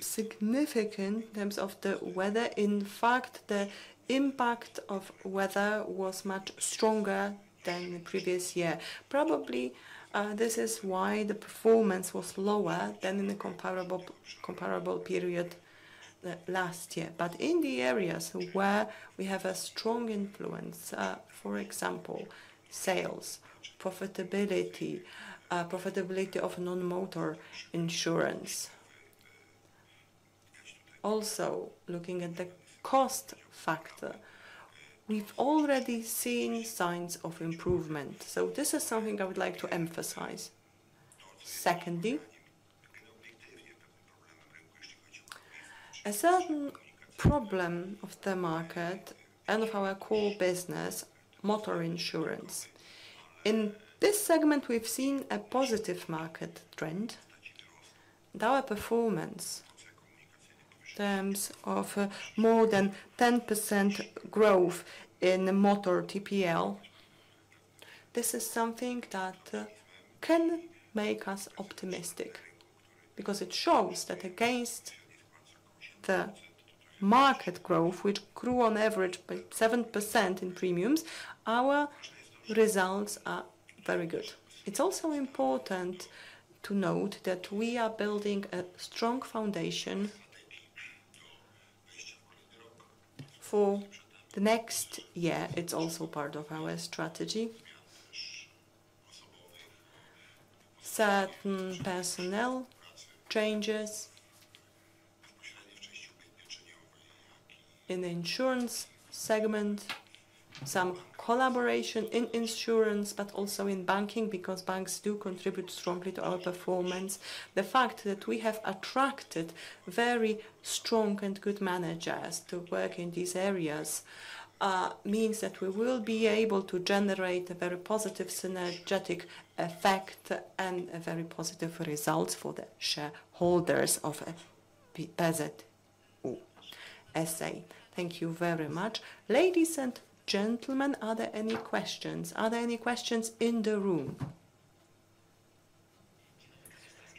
significant in terms of the weather. In fact, the impact of weather was much stronger than the previous year. Probably this is why the performance was lower than in the comparable period last year. But in the areas where we have a strong influence, for example, sales, profitability of non-motor insurance, also looking at the cost factor, we've already seen signs of improvement. So this is something I would like to emphasize. Secondly, a certain problem of the market and of our core business, motor insurance. In this segment, we've seen a positive market trend. Our performance in terms of more than 10% growth in motor TPL, this is something that can make us optimistic because it shows that against the market growth, which grew on average by 7% in premiums, our results are very good. It's also important to note that we are building a strong foundation for the next year. It's also part of our strategy. Certain personnel changes in the insurance segment, some collaboration in insurance, but also in banking, because banks do contribute strongly to our performance. The fact that we have attracted very strong and good managers to work in these areas means that we will be able to generate a very positive synergetic effect and a very positive result for the shareholders of PZU SA. Thank you very much. Ladies and gentlemen, are there any questions? Are there any questions in the room?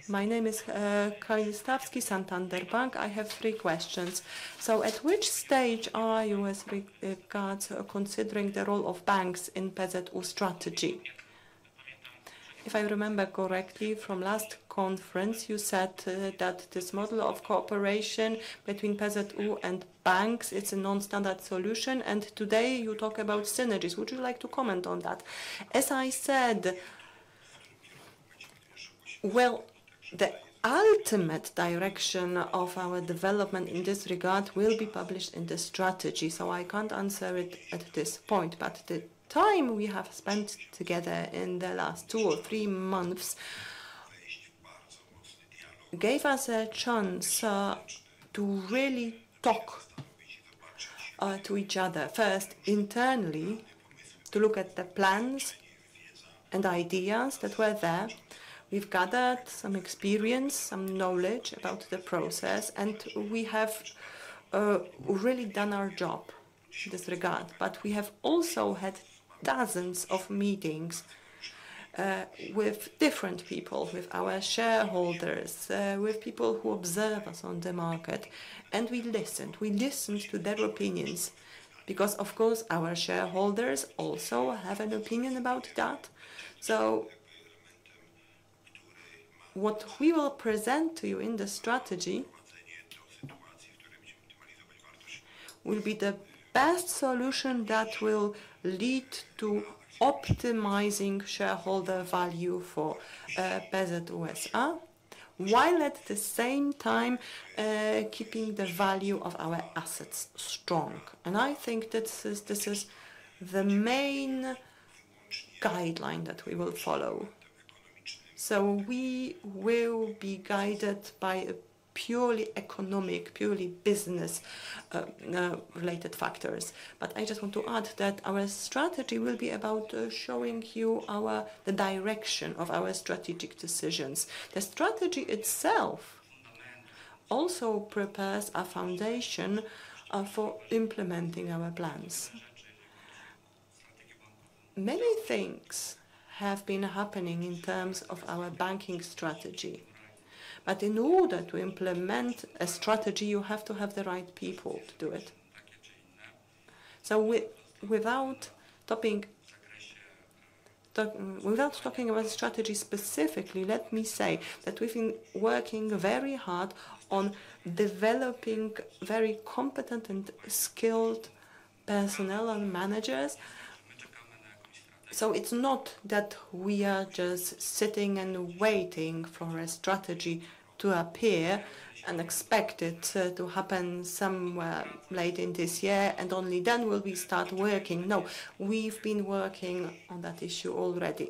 My name is Kamil Stolarski, Santander Bank. I have three questions. So at which stage are you as regards considering the role of banks in PZU strategy? If I remember correctly, from last conference, you said that this model of cooperation between PZU and banks, it's a non-standard solution, and today you talk about synergies. Would you like to comment on that? As I said, well, the ultimate direction of our development in this regard will be published in the strategy, so I can't answer it at this point. But the time we have spent together in the last 2-3 months gave us a chance to really talk to each other. First, internally, to look at the plans and ideas that were there. We've gathered some experience, some knowledge about the process, and we have really done our job. In this regard, but we have also had dozens of meetings with different people, with our shareholders, with people who observe us on the market, and we listened. We listened to their opinions because, of course, our shareholders also have an opinion about that. So what we will present to you in the strategy will be the best solution that will lead to optimizing shareholder value for PZU S.A., while at the same time keeping the value of our assets strong. And I think this is, this is the main guideline that we will follow. So we will be guided by a purely economic, purely business related factors. But I just want to add that our strategy will be about showing you the direction of our strategic decisions. The strategy itself also prepares a foundation for implementing our plans. Many things have been happening in terms of our banking strategy, but in order to implement a strategy, you have to have the right people to do it. Without talking about strategy specifically, let me say that we've been working very hard on developing very competent and skilled personnel and managers. So it's not that we are just sitting and waiting for a strategy to appear and expect it to happen somewhere late in this year, and only then will we start working. No, we've been working on that issue already.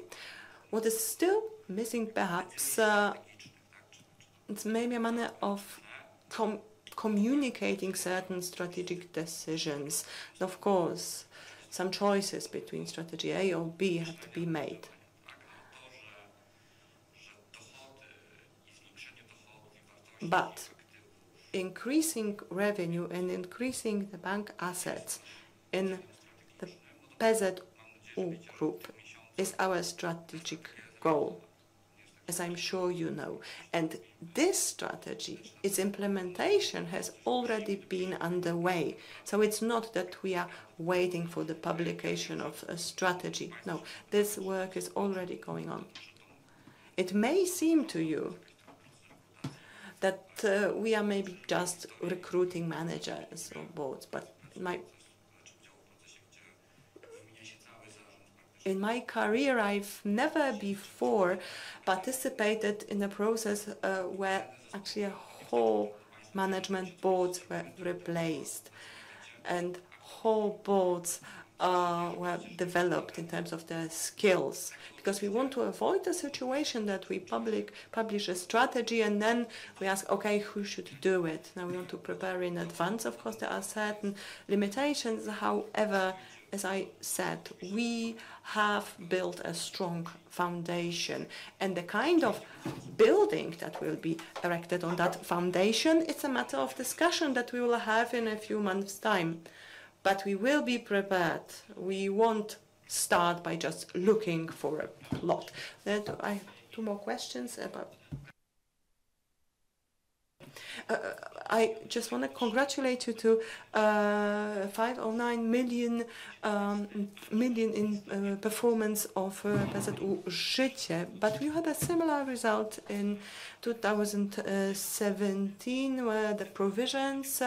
What is still missing, perhaps, it's maybe a manner of communicating certain strategic decisions. Of course, some choices between strategy A or B have to be made. But increasing revenue and increasing the bank assets in the PZU Group is our strategic goal, as I'm sure you know, and this strategy, its implementation has already been underway. So it's not that we are waiting for the publication of a strategy. No, this work is already going on. It may seem to you that, we are maybe just recruiting managers on boards, but in my career, I've never before participated in a process, where actually a whole management boards were replaced and whole boards, were developed in terms of their skills. Because we want to avoid the situation that we publish a strategy, and then we ask, "Okay, who should do it?" Now, we want to prepare in advance. Of course, there are certain limitations. However, as I said, we have built a strong foundation, and the kind of building that will be erected on that foundation, it's a matter of discussion that we will have in a few months' time. But we will be prepared. We won't start by just looking for a lot. There are two more questions about. I just want to congratulate you to 509 million in performance of PZU Życie. But you had a similar result in 2017, where the provisions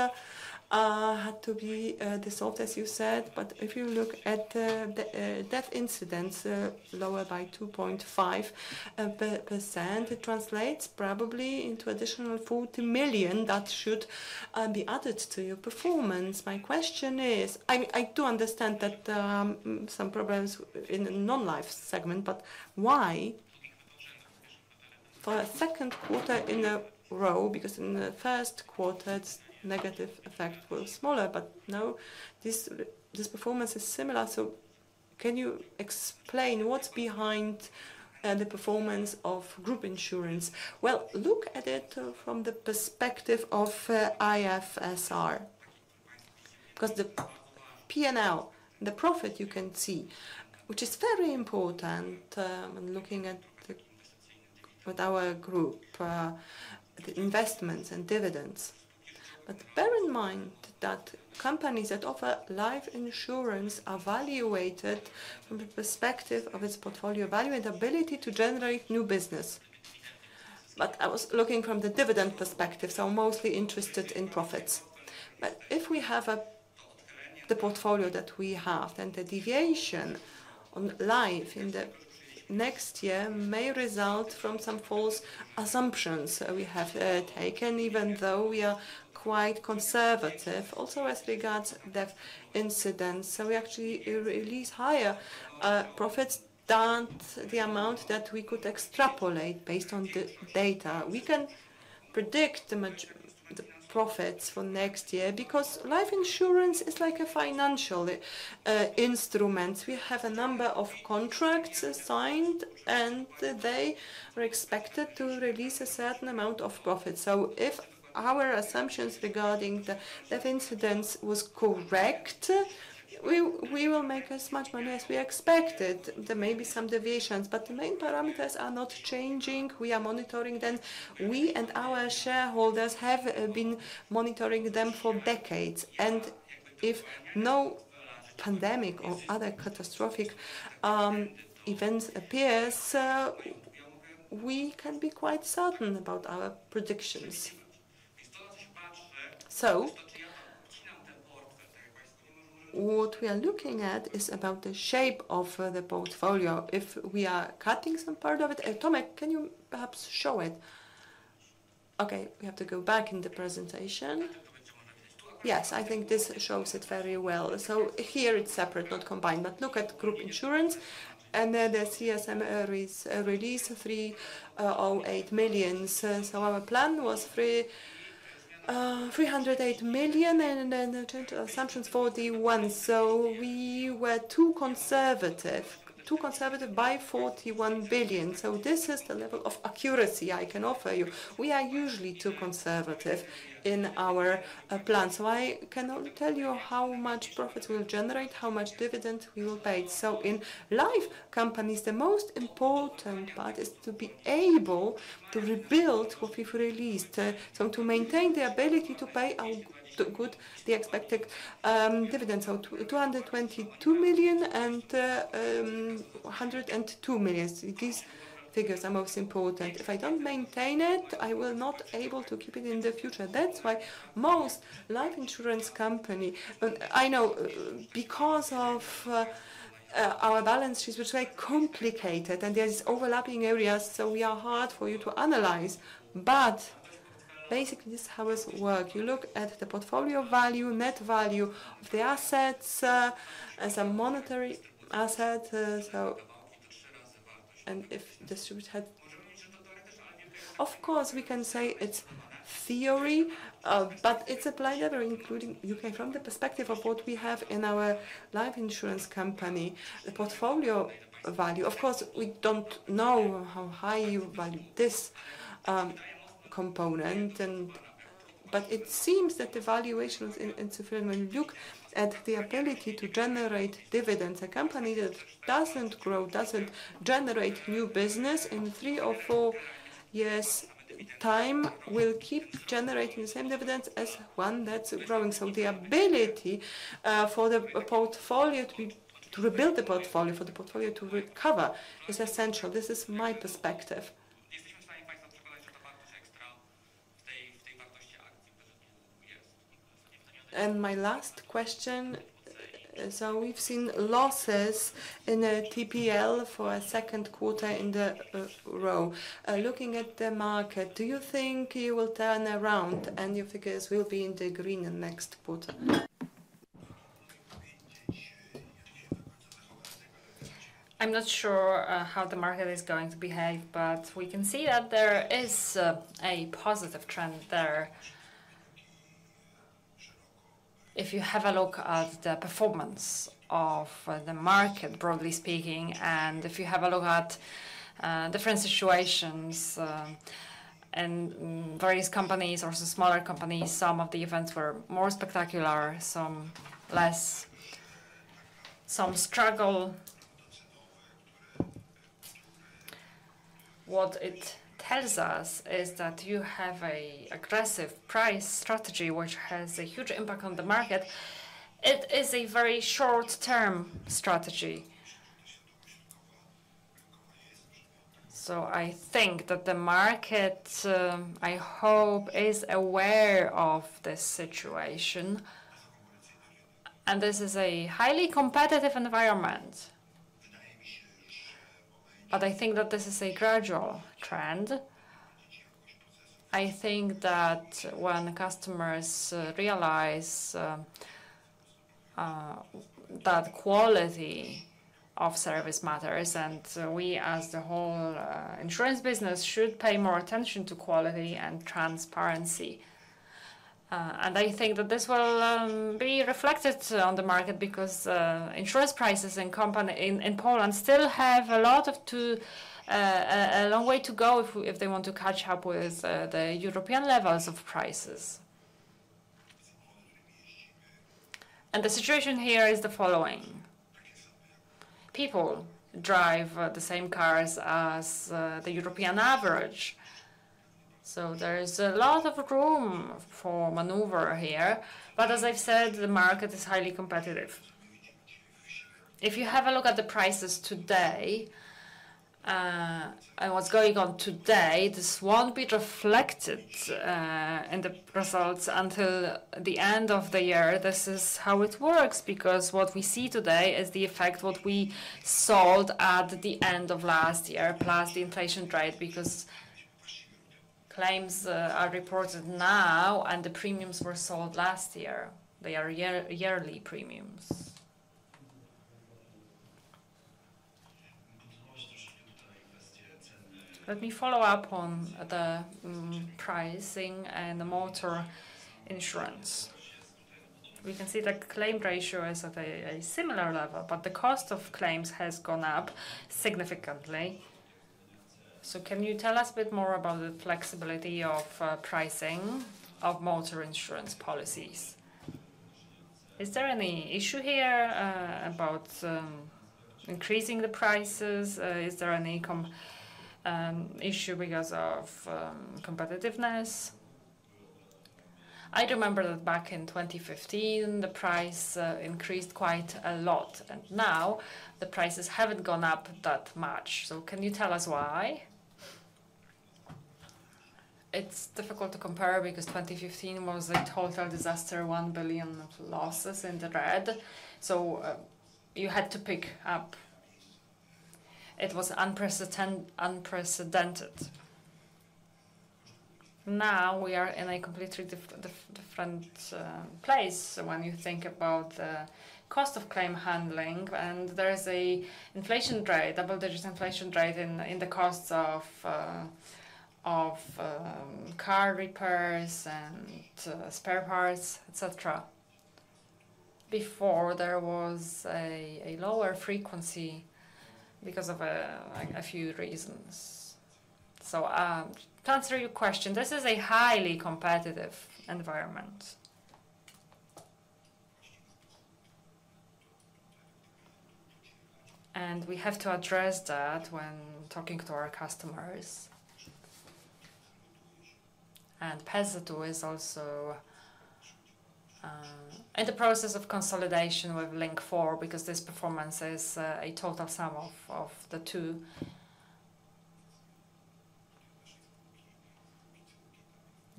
had to be dissolved, as you said. But if you look at the death incidents lower by 2.5%, it translates probably into additional 40 million that should be added to your performance. My question is, I do understand that some problems in the non-life segment, but why for a second quarter in a row? Because in the first quarter, its negative effect was smaller, but now this performance is similar. So can you explain what's behind the performance of group insurance? Well, look at it from the perspective of IFRS, because the P&L, the profit you can see, which is very important when looking at with our group the investments and dividends. But bear in mind that companies that offer life insurance are valuated from the perspective of its portfolio value and ability to generate new business. But I was looking from the dividend perspective, so I'm mostly interested in profits. But if we have the portfolio that we have, then the deviation on life in the next year may result from some false assumptions we have taken, even though we are quite conservative. Also, as regards death incidents, so we actually release higher profits than the amount that we could extrapolate based on the data. We can predict the profits for next year, because life insurance is like a financial instrument. We have a number of contracts signed, and they are expected to release a certain amount of profit. So if our assumptions regarding the death incidence was correct, we will make as much money as we expected. There may be some deviations, but the main parameters are not changing. We are monitoring them. We and our shareholders have been monitoring them for decades, and if no pandemic or other catastrophic events appears, we can be quite certain about our predictions. So what we are looking at is about the shape of the portfolio. If we are cutting some part of it. Tomek, can you perhaps show it? Okay, we have to go back in the presentation. Yes, I think this shows it very well. So here it's separate, not combined. But look at group insurance, and then the CSM is release 308 million. So our plan was 308 million, and then return to assumptions 41. So we were too conservative, too conservative by 41 billion. So this is the level of accuracy I can offer you. We are usually too conservative in our plan, so I cannot tell you how much profit we'll generate, how much dividend we will pay. In life companies, the most important part is to be able to rebuild what we've released. So to maintain the ability to pay the good, the expected dividends. So 222 million and 102 million. These figures are most important. If I don't maintain it, I will not able to keep it in the future. That's why most life insurance company. But I know because of our balance sheets, which are very complicated and there's overlapping areas, so we are hard for you to analyze. But basically, this is how it work. You look at the portfolio value, net value of the assets as a monetary asset. So, and if distributed. Of course, we can say it's theory, but it's applied everywhere, including U.K., from the perspective of what we have in our life insurance company, the portfolio value. Of course, we don't know how high you value this component and. But it seems that the valuations. It's when you look at the ability to generate dividends, a company that doesn't grow, doesn't generate new business in 3-4 years' time, will keep generating the same dividends as one that's growing. So the ability for the portfolio to rebuild the portfolio, for the portfolio to recover is essential. This is my perspective. And my last question, so we've seen losses in TPL for a second quarter in a row. Looking at the market, do you think you will turn around and your figures will be in the green in next quarter? I'm not sure how the market is going to behave, but we can see that there is a positive trend there. If you have a look at the performance of the market, broadly speaking, and if you have a look at different situations and various companies or smaller companies, some of the events were more spectacular, some less, some struggle. What it tells us is that you have an aggressive price strategy, which has a huge impact on the market. It is a very short-term strategy. I think that the market, I hope, is aware of this situation, and this is a highly competitive environment. I think that this is a gradual trend. I think that when customers realize that quality of service matters, and we, as a whole, insurance business, should pay more attention to quality and transparency. And I think that this will be reflected on the market because insurance prices in the country in Poland still have a lot to a long way to go if they want to catch up with the European levels of prices. And the situation here is the following: people drive the same cars as the European average, so there is a lot of room for maneuver here. But as I've said, the market is highly competitive. If you have a look at the prices today and what's going on today, this won't be reflected in the results until the end of the year. This is how it works, because what we see today is the effect what we sold at the end of last year, plus the inflation rate, because claims are reported now and the premiums were sold last year. They are yearly premiums. Let me follow up on the pricing and the motor insurance. We can see the claim ratio is at a similar level, but the cost of claims has gone up significantly. So can you tell us a bit more about the flexibility of pricing of motor insurance policies? Is there any issue here about increasing the prices? Is there any issue because of competitiveness? I remember that back in 2015, the price increased quite a lot, and now the prices haven't gone up that much. So can you tell us why? It's difficult to compare because 2015 was a total disaster, 1 billion of losses in the red, so you had to pick up. It was unprecedented. Now we are in a completely different place when you think about the cost of claim handling, and there is a inflation rate, double-digit inflation rate in the costs of car repairs and spare parts, et cetera. Before, there was a lower frequency because of like a few reasons, so to answer your question, this is a highly competitive environment, and we have to address that when talking to our customers, and PZU is also in the process of consolidation with Link4 because this performance is a total sum of the two.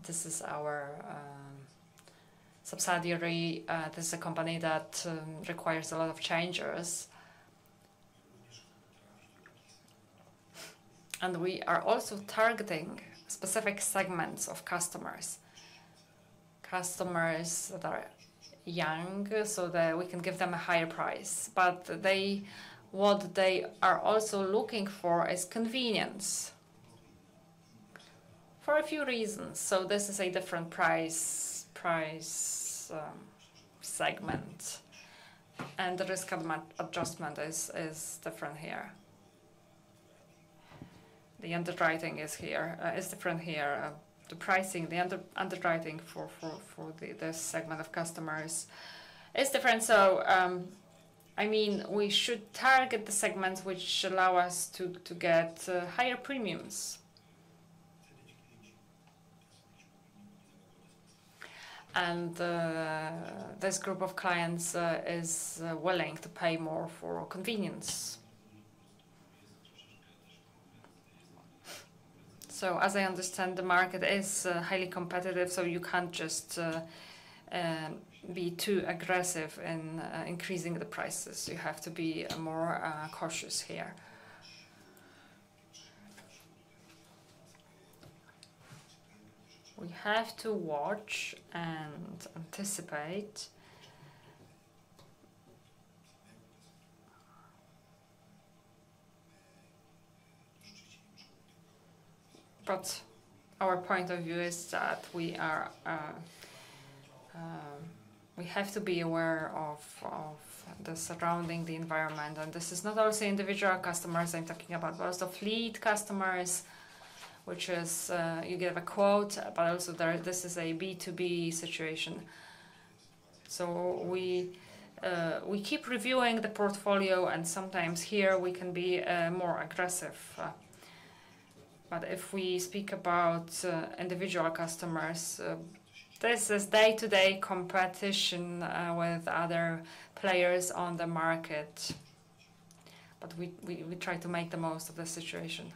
This is our subsidiary. This is a company that requires a lot of changes, and we are also targeting specific segments of customers. Customers that are young, so that we can give them a higher price, but what they are also looking for is convenience, for a few reasons, so this is a different price segment, and the risk adjustment is different here, the underwriting is different here. The pricing, the underwriting for this segment of customers is different, so I mean, we should target the segments which allow us to get higher premiums, and this group of clients is willing to pay more for convenience, so as I understand, the market is highly competitive, so you can't just be too aggressive in increasing the prices. You have to be more cautious here. We have to watch and anticipate. But our point of view is that we have to be aware of the surrounding, the environment, and this is not only the individual customers I'm talking about, but also fleet customers, which is you give a quote, but also there, this is a B2B situation. So we keep reviewing the portfolio, and sometimes here we can be more aggressive. But if we speak about individual customers, this is day-to-day competition with other players on the market. But we try to make the most of the situation.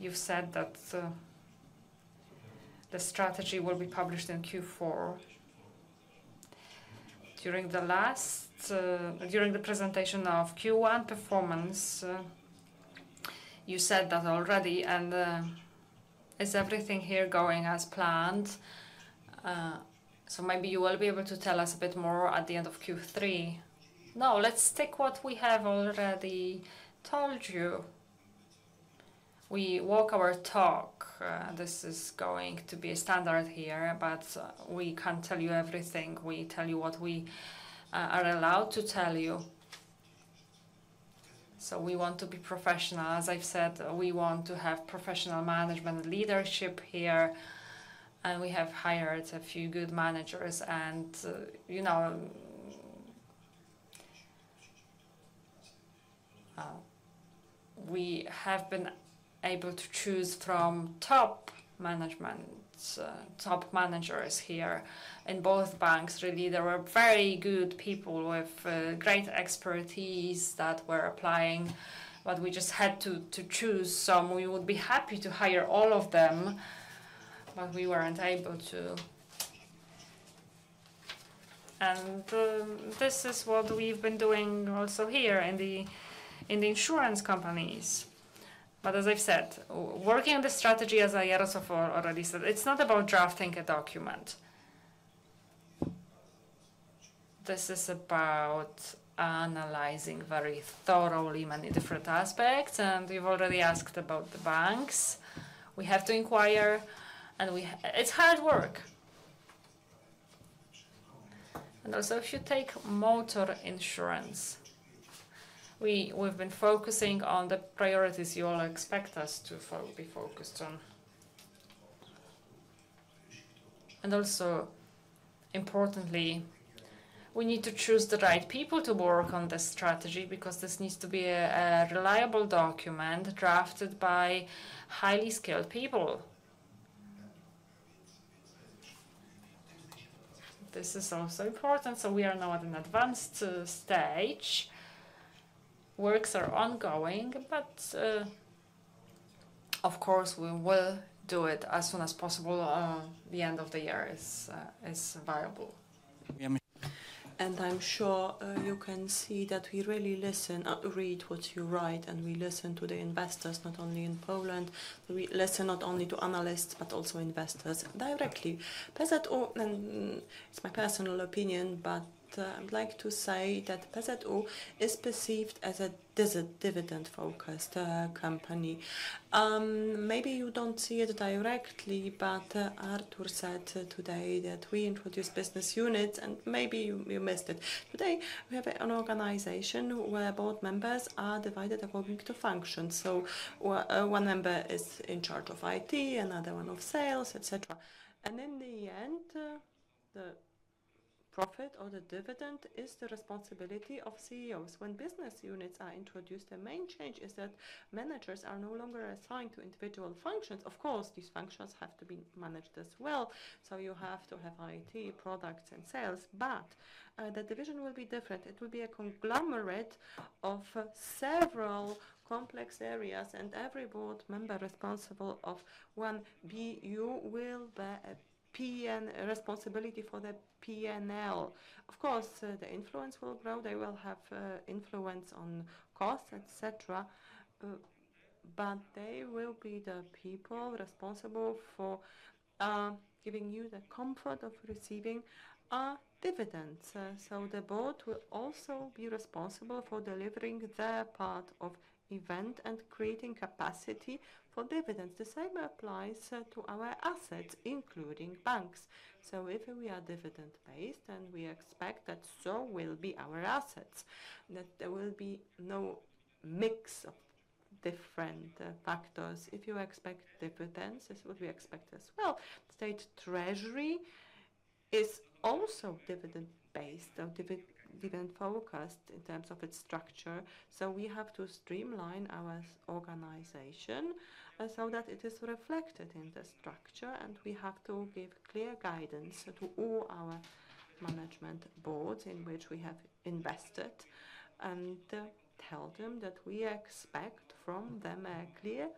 You've said that the strategy will be published in Q4. During the presentation of Q1 performance, you said that already, and is everything here going as planned? So maybe you will be able to tell us a bit more at the end of Q3. No, let's stick what we have already told you. We walk our talk. This is going to be a standard here, but we can't tell you everything. We tell you what we are allowed to tell you. So we want to be professional. As I've said, we want to have professional management leadership here, and we have hired a few good managers and, you know, we have been able to choose from top managements, top managers here. In both banks, really, there were very good people with great expertise that were applying, but we just had to to choose some. We would be happy to hire all of them, but we weren't able to. This is what we've been doing also here in the insurance companies. As I've said, working on the strategy, as I also already said, it's not about drafting a document. This is about analyzing very thoroughly many different aspects, and we've already asked about the banks. We have to inquire. It's hard work. Also, if you take motor insurance, we've been focusing on the priorities you all expect us to be focused on. Also, importantly, we need to choose the right people to work on this strategy because this needs to be a reliable document drafted by highly skilled people. This is also important, so we are now at an advanced stage. Works are ongoing, but of course, we will do it as soon as possible. The end of the year is viable. I'm sure, you can see that we really listen and read what you write, and we listen to the investors, not only in Poland. We listen not only to analysts, but also investors directly. PZU, and it's my personal opinion, but, I'd like to say that PZU is perceived as a dividend-focused, company. Maybe you don't see it directly, but, Artur said today that we introduced business units, and maybe you missed it. Today, we have an organization where board members are divided according to function. So, one member is in charge of IT, another one of sales, et cetera. And in the end, the profit or the dividend is the responsibility of CEOs. When business units are introduced, the main change is that managers are no longer assigned to individual functions. Of course, these functions have to be managed as well, so you have to have IT, products, and sales, but the division will be different. It will be a conglomerate of several complex areas, and every board member responsible for one BU will be P&L responsibility for the P&L. Of course, the influence will grow. They will have influence on costs, et cetera, but they will be the people responsible for giving you the comfort of receiving dividends. So the board will also be responsible for delivering their part of EBIT and creating capacity for dividends. The same applies to our assets, including banks. So if we are dividend-based, then we expect that so will be our assets, that there will be no mix of different factors. If you expect dividends, this is what we expect as well. State Treasury is also dividend-based or dividend-focused in terms of its structure, so we have to streamline our organization so that it is reflected in the structure, and we have to give clear guidance to all our management boards in which we have invested, and tell them that we expect from them a clear-